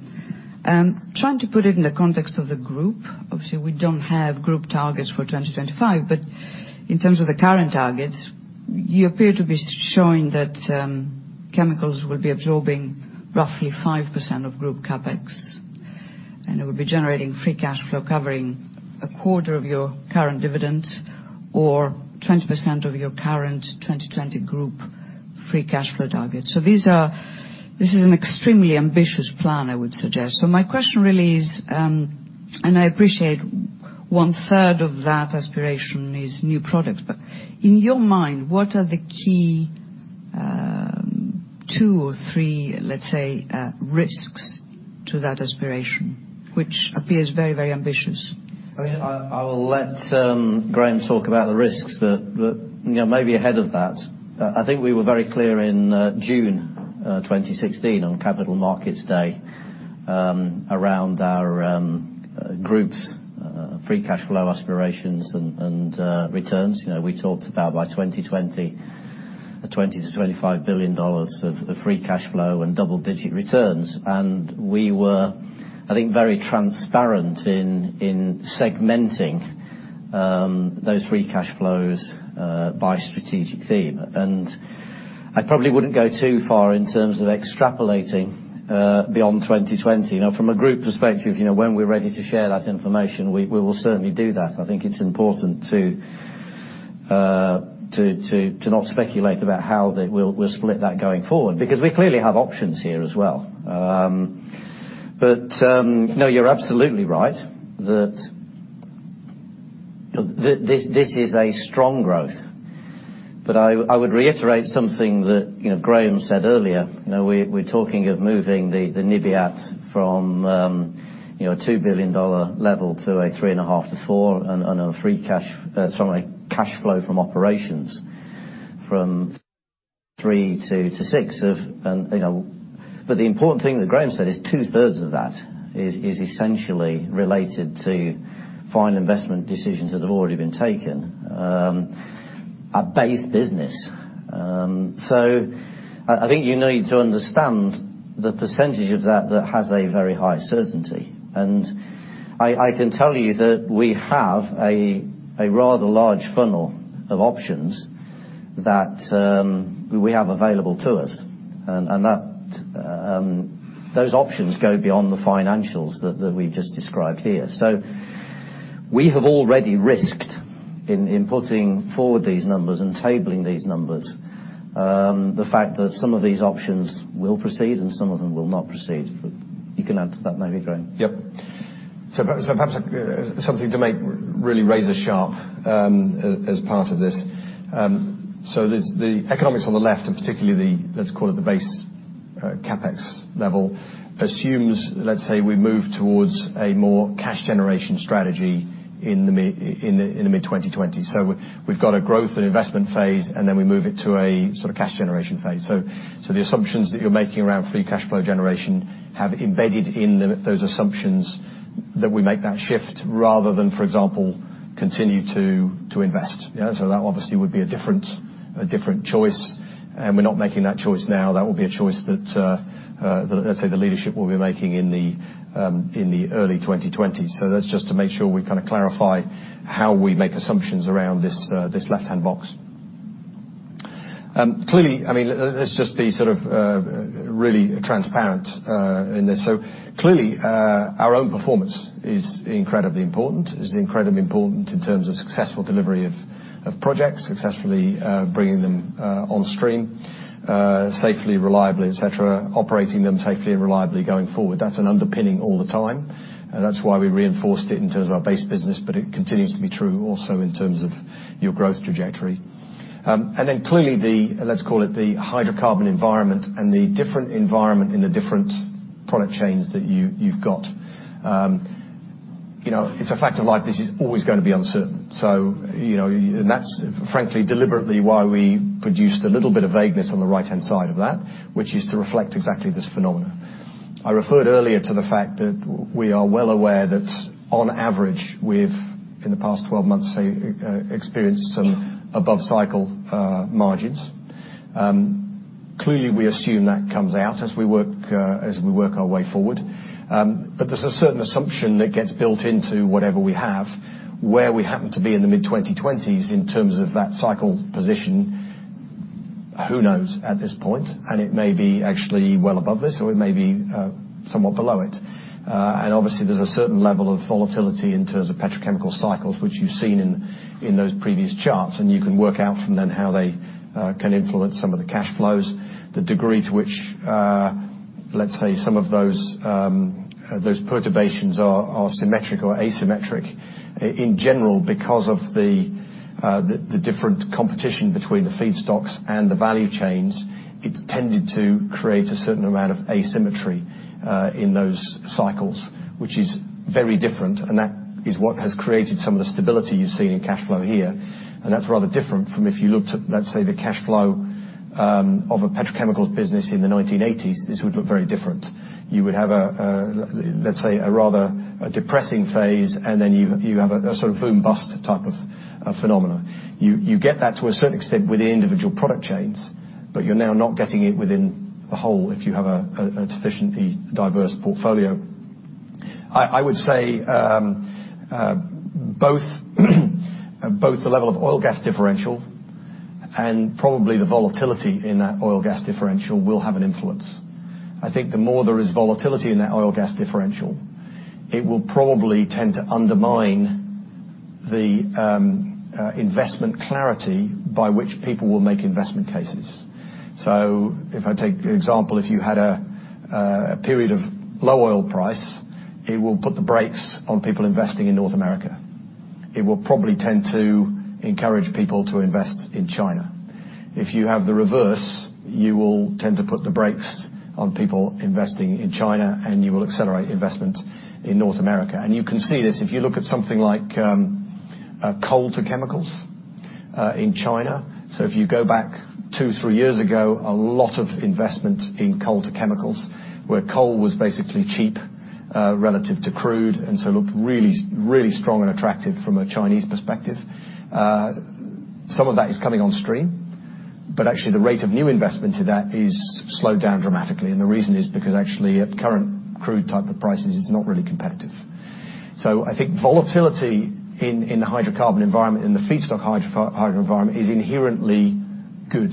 Trying to put it in the context of the group, obviously, we don't have group targets for 2025, but in terms of the current targets, you appear to be showing that chemicals will be absorbing roughly 5% of group CapEx. It will be generating free cash flow covering a quarter of your current dividends or 20% of your current 2020 group free cash flow targets. This is an extremely ambitious plan, I would suggest. My question really is, I appreciate one-third of that aspiration is new products, but in your mind, what are the key two or three, let's say, risks to that aspiration, which appears very ambitious? Irene, I will let Graham talk about the risks, maybe ahead of that, I think we were very clear in June 2016 on Capital Markets Day around our group's free cash flow aspirations and returns. We talked about by 2020, the $20 billion-$25 billion of free cash flow and double-digit returns. We were, I think, very transparent in segmenting those free cash flows by strategic theme. I probably wouldn't go too far in terms of extrapolating beyond 2020. From a group perspective, when we're ready to share that information, we will certainly do that. I think it's important to not speculate about how we'll split that going forward, because we clearly have options here as well. No, you're absolutely right that this is a strong growth. I would reiterate something that Graham said earlier. We're talking of moving the NIBAT from a $2 billion level to a $3.5 billion-$4 billion and a cash flow from operations from $3 billion to $6 billion. The important thing that Graham said is two-thirds of that is essentially related to final investment decisions that have already been taken. A base business. I think you need to understand the percentage of that that has a very high certainty. I can tell you that we have a rather large funnel of options that we have available to us, and those options go beyond the financials that we've just described here. We have already risked, in putting forward these numbers and tabling these numbers, the fact that some of these options will proceed and some of them will not proceed. You can add to that maybe, Graham. Yep. Perhaps something to make really razor sharp as part of this. The economics on the left, and particularly let's call it the base CapEx level, assumes, let's say, we move towards a more cash generation strategy in the mid-2020s. We've got a growth and investment phase, and then we move it to a sort of cash generation phase. The assumptions that you're making around free cash flow generation have embedded in those assumptions that we make that shift rather than, for example, continue to invest. That obviously would be a different choice, and we're not making that choice now. That will be a choice that, let's say, the leadership will be making in the early 2020s. That's just to make sure we kind of clarify how we make assumptions around this left-hand box. Clearly, let's just be sort of really transparent in this. Clearly, our own performance is incredibly important. It's incredibly important in terms of successful delivery of projects, successfully bringing them on stream safely, reliably, et cetera, operating them safely and reliably going forward. That's an underpinning all the time. That's why we reinforced it in terms of our base business, but it continues to be true also in terms of your growth trajectory. Clearly the, let's call it the hydrocarbon environment and the different environment in the different product chains that you've got. It's a fact of life, this is always going to be uncertain. That's frankly, deliberately why we produced a little bit of vagueness on the right-hand side of that, which is to reflect exactly this phenomena. I referred earlier to the fact that we are well aware that on average, we've, in the past 12 months, say, experienced some above cycle margins. Clearly, we assume that comes out as we work our way forward. There's a certain assumption that gets built into whatever we have, where we happen to be in the mid-2020s in terms of that cycle position. Who knows at this point, and it may be actually well above this, or it may be somewhat below it. Obviously, there's a certain level of volatility in terms of petrochemical cycles, which you've seen in those previous charts. You can work out from then how they can influence some of the cash flows, the degree to which, let's say, some of those perturbations are symmetric or asymmetric. In general, because of the different competition between the feedstocks and the value chains, it's tended to create a certain amount of asymmetry in those cycles, which is very different, that is what has created some of the stability you've seen in cash flow here. That's rather different from if you looked at, let's say, the cash flow of a petrochemical business in the 1980s, this would look very different. You would have, let's say, a rather depressing phase, then you have a boom bust type of phenomena. You get that to a certain extent within individual product chains, but you're now not getting it within the whole, if you have a sufficiently diverse portfolio. I would say both the level of oil gas differential and probably the volatility in that oil gas differential will have an influence. I think the more there is volatility in that oil gas differential, it will probably tend to undermine the investment clarity by which people will make investment cases. If I take an example, if you had a period of low oil price, it will put the brakes on people investing in North America. It will probably tend to encourage people to invest in China. If you have the reverse, you will tend to put the brakes on people investing in China, and you will accelerate investment in North America. You can see this, if you look at something like coal to chemicals in China. If you go back two, three years ago, a lot of investment in coal to chemicals, where coal was basically cheap relative to crude, and so looked really strong and attractive from a Chinese perspective. Some of that is coming on stream, actually the rate of new investment to that is slowed down dramatically, the reason is because actually at current crude type of prices, it's not really competitive. I think volatility in the hydrocarbon environment, in the feedstock hydro environment is inherently good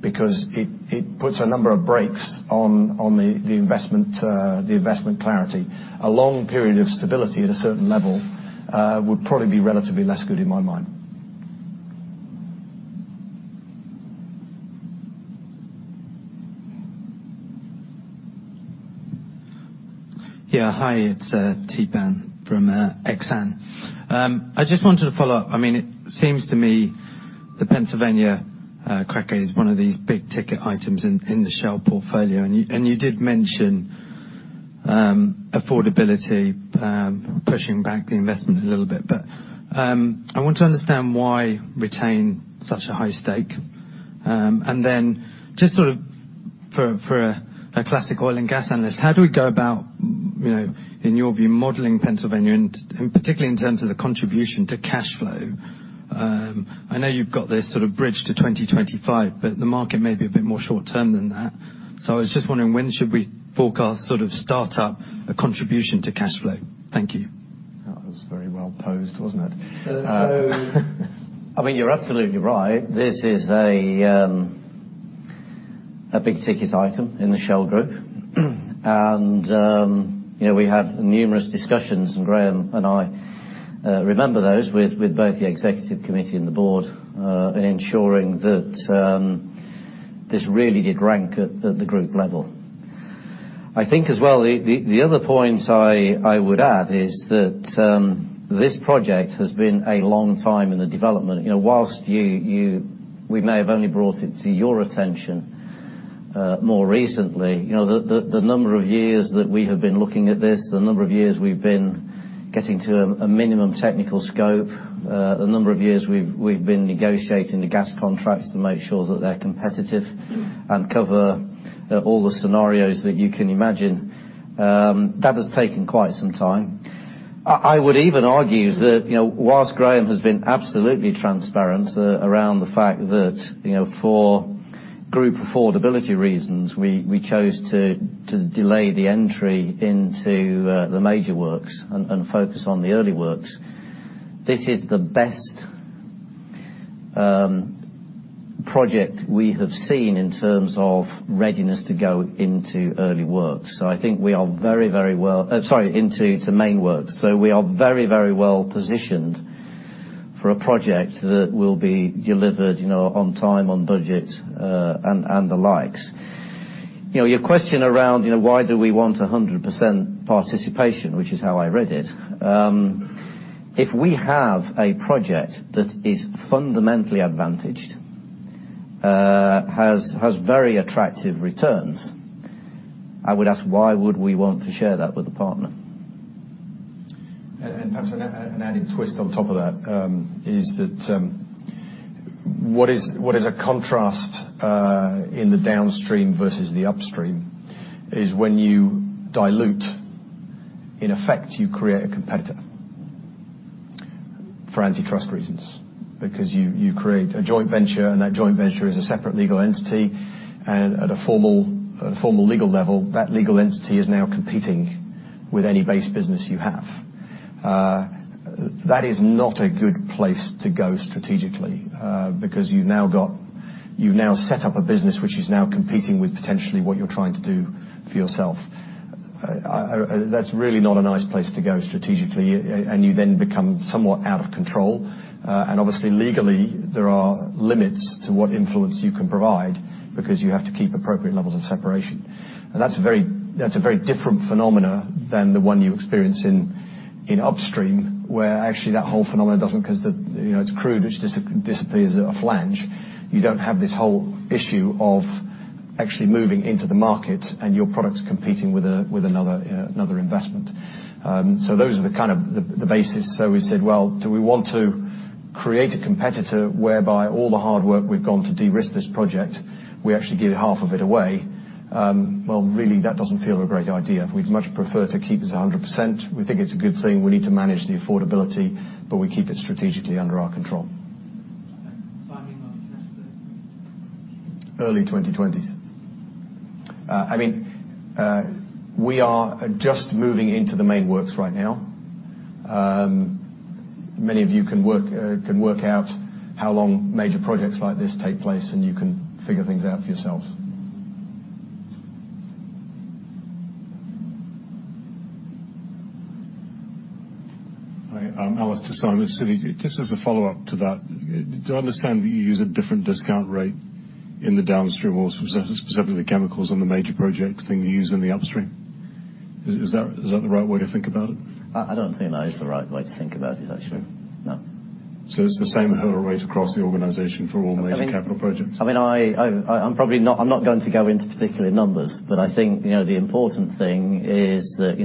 because it puts a number of brakes on the investment clarity. A long period of stability at a certain level would probably be relatively less good in my mind. Hi, it's T-Pan from XAN. I just wanted to follow up. It seems to me the Pennsylvania cracker is one of these big-ticket items in the Shell portfolio, you did mention affordability pushing back the investment a little bit. I want to understand why retain such a high stake. Just sort of for a classic oil and gas analyst, how do we go about, in your view, modeling Pennsylvania and particularly in terms of the contribution to cash flow? I know you've got this sort of bridge to 2025, the market may be a bit more short term than that. I was just wondering when should we forecast sort of start up a contribution to cash flow? Thank you. That was very well posed, wasn't it? You're absolutely right. This is a big-ticket item in the Shell Group. We had numerous discussions, and Graham and I remember those, with both the Executive Committee and the board, in ensuring that this really did rank at the group level. I think as well, the other point I would add is that this project has been a long time in the development. Whilst we may have only brought it to your attention more recently, the number of years that we have been looking at this, the number of years we've been getting to a minimum technical scope, the number of years we've been negotiating the gas contracts to make sure that they're competitive and cover all the scenarios that you can imagine, that has taken quite some time. I would even argue that whilst Graham has been absolutely transparent around the fact that for group affordability reasons, we chose to delay the entry into the major works and focus on the early works. This is the best project we have seen in terms of readiness to go into early work. I think we are very well, sorry, into main works. We are very well positioned for a project that will be delivered on time, on budget, and the likes. Your question around why do we want 100% participation, which is how I read it. If we have a project that is fundamentally advantaged Has very attractive returns. I would ask why would we want to share that with a partner? Perhaps an added twist on top of that is that what is a contrast in the downstream versus the upstream is when you dilute, in effect, you create a competitor, for antitrust reasons. You create a joint venture, and that joint venture is a separate legal entity, and at a formal legal level, that legal entity is now competing with any base business you have. That is not a good place to go strategically, because you've now set up a business which is now competing with potentially what you're trying to do for yourself. That's really not a nice place to go strategically, and you then become somewhat out of control. Obviously legally, there are limits to what influence you can provide because you have to keep appropriate levels of separation. That's a very different phenomena than the one you experience in upstream, where actually that whole phenomena doesn't, because it's crude, which disappears at a flange. You don't have this whole issue of actually moving into the market and your products competing with another investment. Those are the basis. We said, "Well, do we want to create a competitor whereby all the hard work we've gone to de-risk this project, we actually give half of it away?" Well, really that doesn't feel a great idea. We'd much prefer to keep this 100%. We think it's a good thing. We need to manage the affordability, but we keep it strategically under our control. Timing on? Early 2020s. We are just moving into the main works right now. Many of you can work out how long major projects like this take place, and you can figure things out for yourselves. Hi, I'm Alex Tassone with Citi. Just as a follow-up to that, do I understand that you use a different discount rate in the downstream, or specifically chemicals on the major project than you use in the upstream? Is that the right way to think about it? I don't think that is the right way to think about it, actually. No. it's the same hurdle rate across the organization for all major- I mean- capital projects? I'm not going to go into particular numbers. I think the important thing is that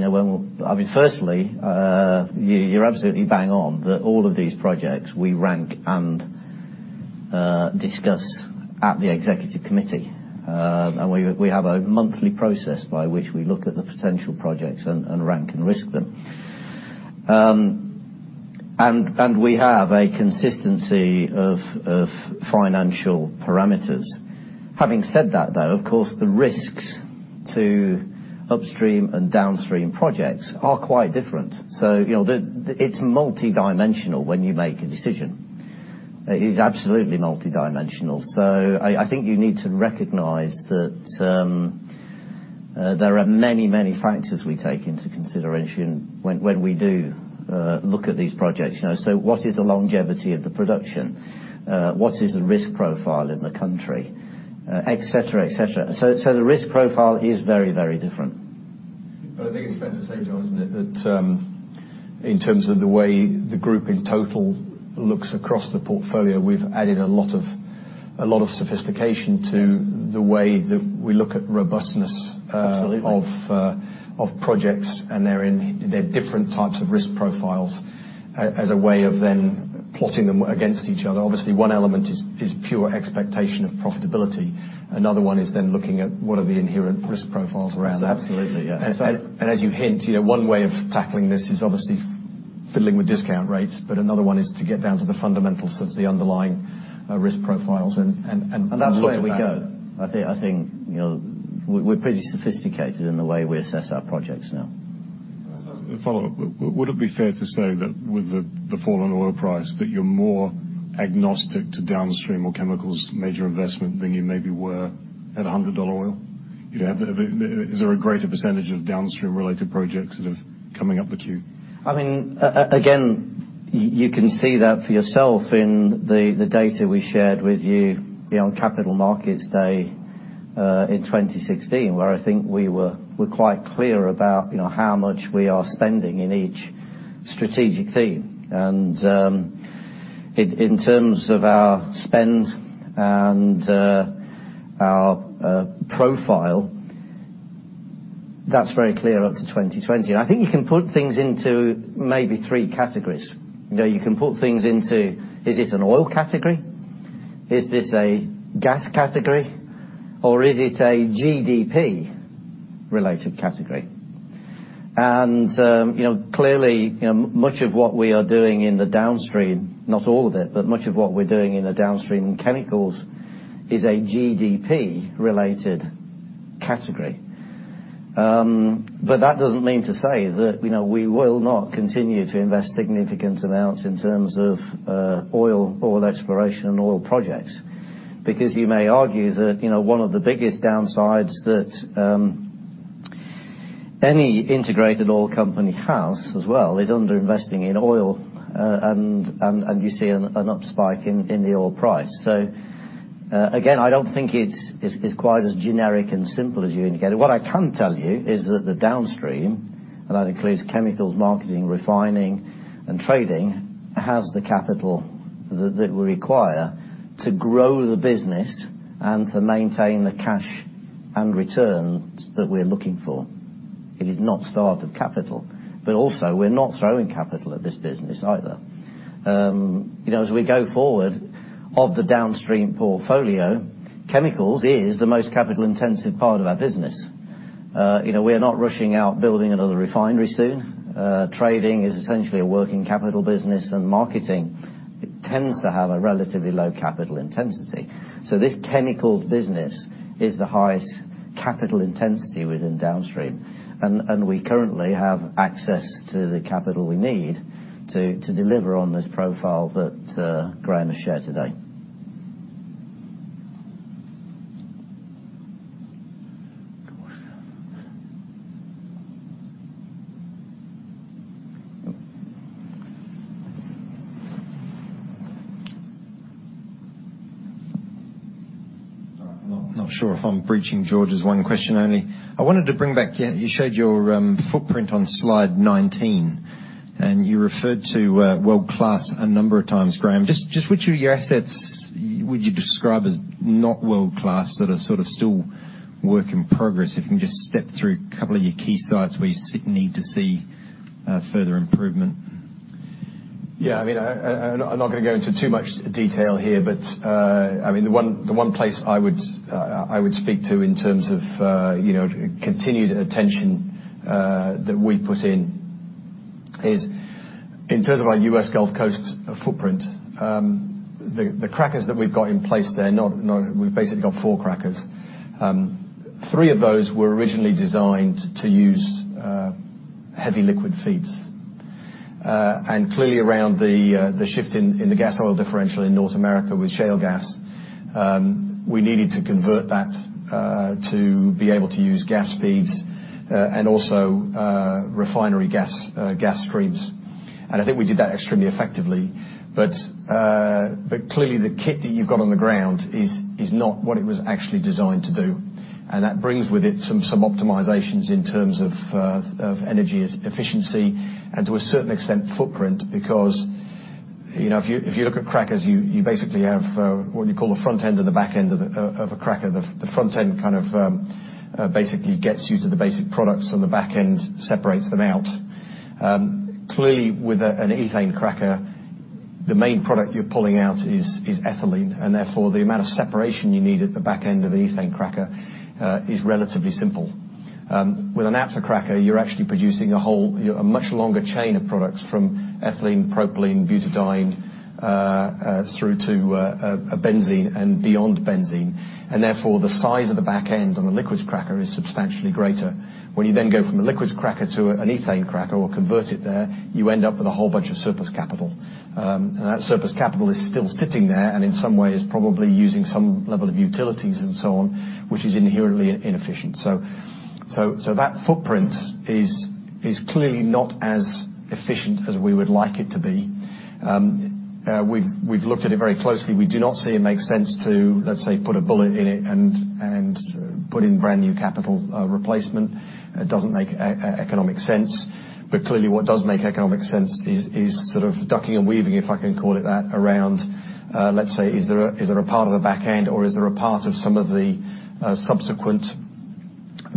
you're absolutely bang on that all of these projects we rank and discuss at the Executive Committee. We have a monthly process by which we look at the potential projects and rank and risk them. We have a consistency of financial parameters. Having said that, though, of course, the risks to upstream and downstream projects are quite different. It's multidimensional when you make a decision. It is absolutely multidimensional. I think you need to recognize that there are many factors we take into consideration when we do look at these projects. What is the longevity of the production? What is the risk profile in the country? Et cetera. The risk profile is very different. I think it's fair to say, John, isn't it, that in terms of the way the group in total looks across the portfolio, we've added a lot of sophistication to- Yes the way that we look at robustness- Absolutely of projects and their different types of risk profiles as a way of then plotting them against each other. Obviously, one element is pure expectation of profitability. Another one is then looking at what are the inherent risk profiles around that. Absolutely, yeah. As you hint, one way of tackling this is obviously fiddling with discount rates, another one is to get down to the fundamentals of the underlying risk profiles and look at that. That's where we go. I think we're pretty sophisticated in the way we assess our projects now. Can I just ask a follow-up? Would it be fair to say that with the fall in oil price, that you're more agnostic to downstream or chemicals major investment than you maybe were at $100 oil? Is there a greater % of downstream-related projects that are coming up the queue? You can see that for yourself in the data we shared with you on Capital Markets Day in 2016, where I think we were quite clear about how much we are spending in each strategic theme. In terms of our spend and our profile, that's very clear up to 2020. I think you can put things into maybe three categories. You can put things into, is this an oil category? Is this a gas category? Or is it a GDP-related category? Clearly, much of what we are doing in the downstream, not all of it, but much of what we're doing in the downstream chemicals is a GDP-related category. That doesn't mean to say that we will not continue to invest significant amounts in terms of oil exploration and oil projects. You may argue that one of the biggest downsides that any integrated oil company has as well is under-investing in oil, and you see an up spike in the oil price. Again, I don't think it's quite as generic and simple as you indicated. What I can tell you is that the downstream, and that includes chemicals, marketing, refining, and trading, has the capital that we require to grow the business and to maintain the cash and returns that we're looking for. It is not starved of capital, but also we're not throwing capital at this business either. As we go forward of the downstream portfolio, chemicals is the most capital-intensive part of our business. We are not rushing out building another refinery soon. Trading is essentially a working capital business, and marketing tends to have a relatively low capital intensity. This chemicals business is the highest capital intensity within downstream. We currently have access to the capital we need to deliver on this profile that Graham has shared today. I'm not sure if I'm breaching George's one question only. I wanted to bring back, you showed your footprint on slide 19, and you referred to world-class a number of times, Graham. Just which of your assets would you describe as not world-class, that are sort of still work in progress? If you can just step through a couple of your key sites where you need to see further improvement. Yeah. I'm not going to go into too much detail here, the one place I would speak to in terms of continued attention that we put in is in terms of our US Gulf Coast footprint. The crackers that we've got in place there, we've basically got 4 crackers. Three of those were originally designed to use heavy liquid feeds. Clearly, around the shift in the gas oil differential in North America with shale gas, we needed to convert that to be able to use gas feeds, also refinery gas streams. I think we did that extremely effectively. Clearly the kit that you've got on the ground is not what it was actually designed to do. That brings with it some optimizations in terms of energy as efficiency, to a certain extent, footprint, because if you look at crackers, you basically have what you call the front end and the back end of a cracker. The front end kind of basically gets you to the basic products, and the back end separates them out. Clearly, with an ethane cracker, the main product you're pulling out is ethylene, therefore, the amount of separation you need at the back end of the ethane cracker is relatively simple. With a naphtha cracker, you're actually producing a much longer chain of products from ethylene, propylene, butadiene through to a benzene and beyond benzene. Therefore, the size of the back end on a liquids cracker is substantially greater. When you go from a liquids cracker to an ethane cracker or convert it there, you end up with a whole bunch of surplus capital. That surplus capital is still sitting there, in some ways probably using some level of utilities and so on, which is inherently inefficient. That footprint is clearly not as efficient as we would like it to be. We've looked at it very closely. We do not see it makes sense to, let's say, put a bullet in it and put in brand new capital replacement. It doesn't make economic sense. Clearly what does make economic sense is sort of ducking and weaving, if I can call it that, around, let's say, is there a part of the back end or is there a part of some of the subsequent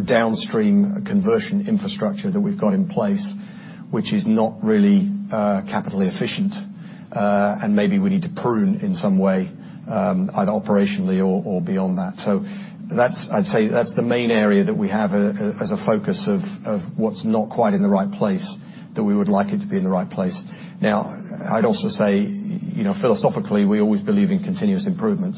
downstream conversion infrastructure that we've got in place, which is not really capitally efficient? Maybe we need to prune in some way, either operationally or beyond that. I'd say that's the main area that we have as a focus of what's not quite in the right place, that we would like it to be in the right place. Now, I'd also say philosophically, we always believe in continuous improvement.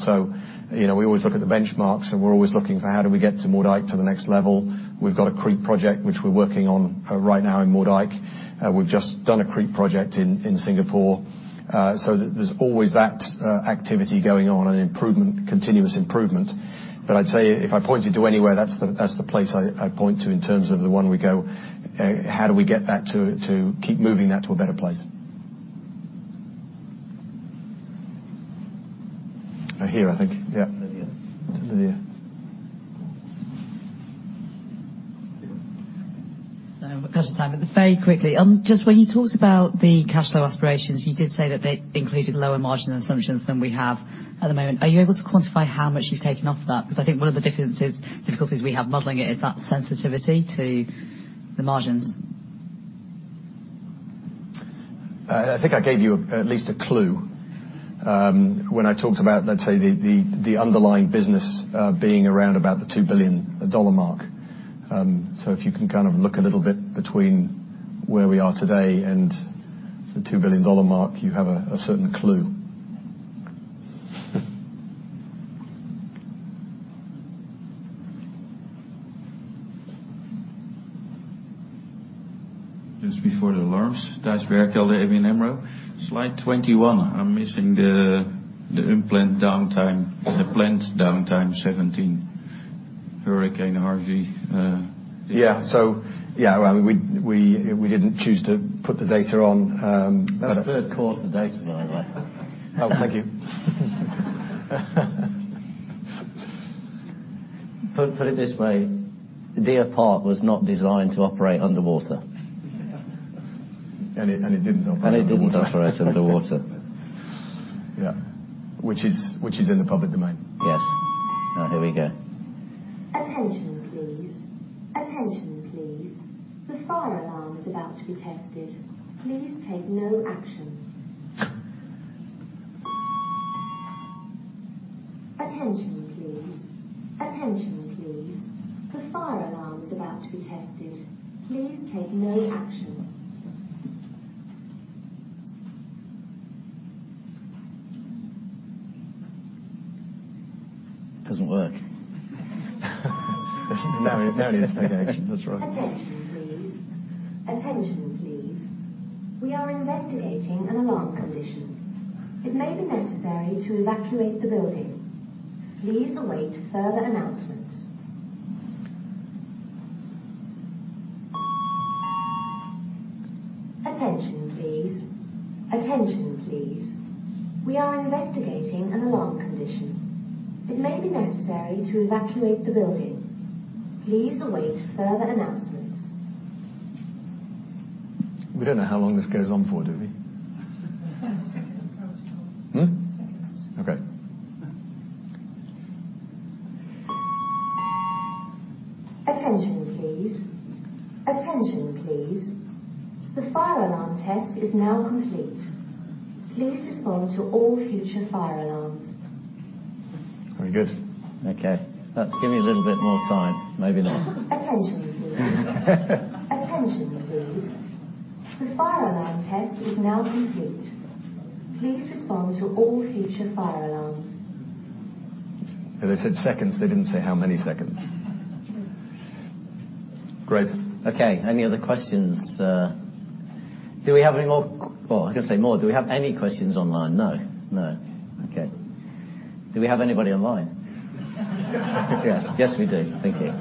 We always look at the benchmarks, and we're always looking for how do we get to Moerdijk to the next level? We've got a creep project which we're working on right now in Moerdijk. We've just done a creep project in Singapore. There's always that activity going on and continuous improvement. I'd say if I point you to anywhere, that's the place I point to in terms of the one we go, how do we get that to keep moving that to a better place? Here, I think. Lydia. To Lydia. Here. I don't want to cut us time, very quickly, just when you talked about the cash flow aspirations, you did say that they included lower margin assumptions than we have at the moment. Are you able to quantify how much you've taken off that? Because I think one of the difficulties we have modeling it is that sensitivity to the margins. I think I gave you at least a clue, when I talked about, let's say, the underlying business being around about the $2 billion mark. If you can kind of look a little bit between where we are today and the $2 billion mark, you have a certain clue. Just before the alarms. Thijs Berkelder, ABNAMRO. Slide 21, I'm missing the implant downtime, the plant downtime 17, Hurricane Harvey. Yeah. We didn't choose to put the data on. That's third quarter data, by the way. Oh, thank you. Put it this way, Deer Park was not designed to operate underwater. It didn't operate underwater. It didn't operate underwater. Yeah. Which is in the public domain. Yes. Oh, here we go. Attention, please. Attention, please. The fire alarm is about to be tested. Please take no action. Attention, please. Attention, please. The fire alarm is about to be tested. Please take no action. Doesn't work. Now it is taking action, that's right. Attention, please. Attention, please. We are investigating an alarm condition. It may be necessary to evacuate the building. Please await further announcements. Attention, please. Attention, please. We are investigating an alarm condition. It may be necessary to evacuate the building. Please await further announcements. We don't know how long this goes on for, do we? A few seconds, I would have thought. Seconds. Okay. Attention, please. Attention, please. The fire alarm test is now complete. Please respond to all future fire alarms. Very good. Okay. Let's give me a little bit more time. Maybe not. Attention, please. Attention, please. The fire alarm test is now complete. Please respond to all future fire alarms. They said seconds, they didn't say how many seconds. Great. Okay. Any other questions? Do we have any more questions online? No. Okay. Do we have anybody online? Yes. Yes, we do. Thank you.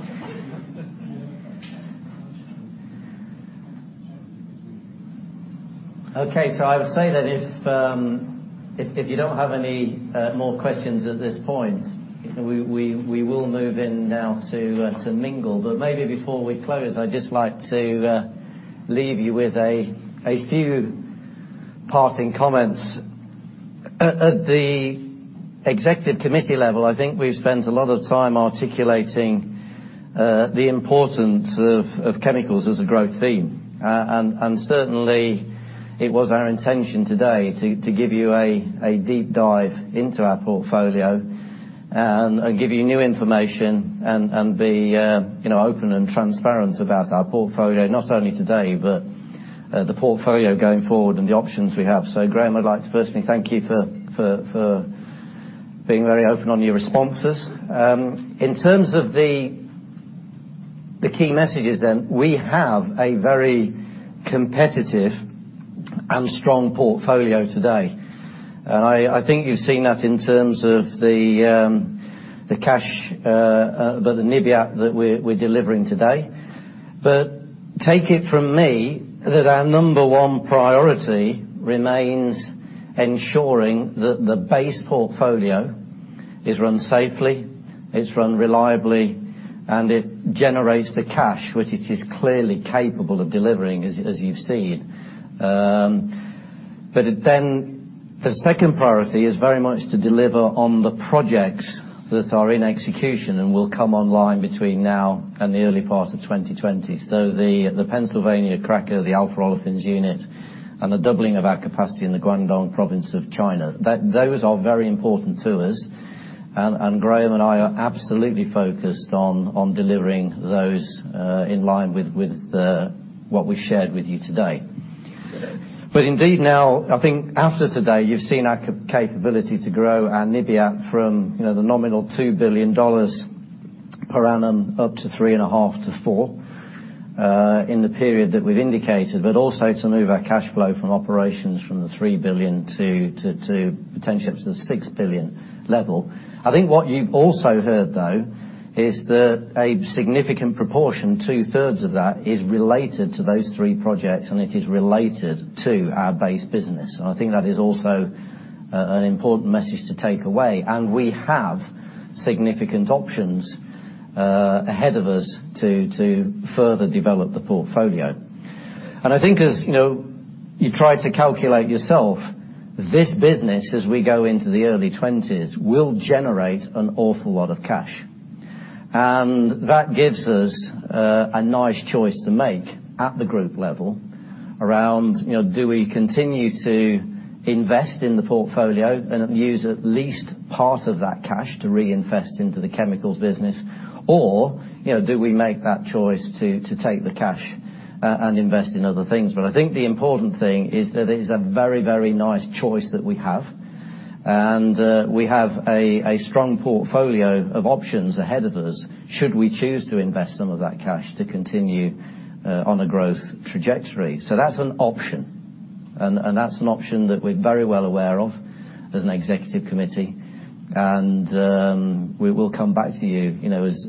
I would say that if you don't have any more questions at this point, we will move in now to mingle. Maybe before we close, I'd just like to leave you with a few parting comments. At the Executive Committee level, I think we've spent a lot of time articulating the importance of chemicals as a growth theme. Certainly, it was our intention today to give you a deep dive into our portfolio and give you new information and be open and transparent about our portfolio, not only today, but the portfolio going forward and the options we have. Graham, I'd like to personally thank you for being very open on your responses. In terms of the key messages, we have a very competitive and strong portfolio today. I think you've seen that in terms of the NIBAT that we're delivering today. Take it from me that our number one priority remains ensuring that the base portfolio is run safely, it's run reliably, and it generates the cash, which it is clearly capable of delivering, as you've seen. The second priority is very much to deliver on the projects that are in execution and will come online between now and the early part of 2020. The Pennsylvania cracker, the alpha olefins unit, and the doubling of our capacity in the Guangdong province of China. Those are very important to us. Graham and I are absolutely focused on delivering those in line with what we shared with you today. Indeed now, I think after today, you've seen our capability to grow our NIBAT from the nominal $2 billion per annum up to $3.5 billion to $4 billion in the period that we've indicated, also to move our cash flow from operations from the $3 billion to potentially up to the $6 billion level. I think what you've also heard, though, is that a significant proportion, two-thirds of that, is related to those three projects, and it is related to our base business. I think that is also an important message to take away. We have significant options ahead of us to further develop the portfolio. I think as you try to calculate yourself, this business, as we go into the early 2020s, will generate an awful lot of cash. That gives us a nice choice to make at the group level around, do we continue to invest in the portfolio and use at least part of that cash to reinvest into the chemicals business, or do we make that choice to take the cash and invest in other things? I think the important thing is that it is a very nice choice that we have. We have a strong portfolio of options ahead of us, should we choose to invest some of that cash to continue on a growth trajectory. That's an option. That's an option that we're very well aware of as an Executive Committee. We will come back to you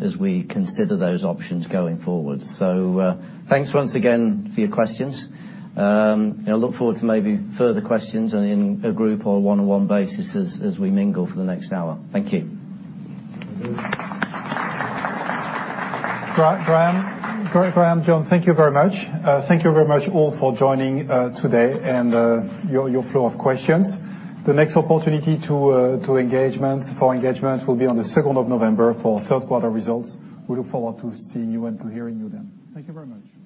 as we consider those options going forward. Thanks once again for your questions. I look forward to maybe further questions in a group or one-on-one basis as we mingle for the next hour. Thank you. Thank you. Graham, John, thank you very much. Thank you very much all for joining today and your flow of questions. The next opportunity for engagement will be on the 2nd of November for third quarter results. We look forward to seeing you and to hearing you then. Thank you very much.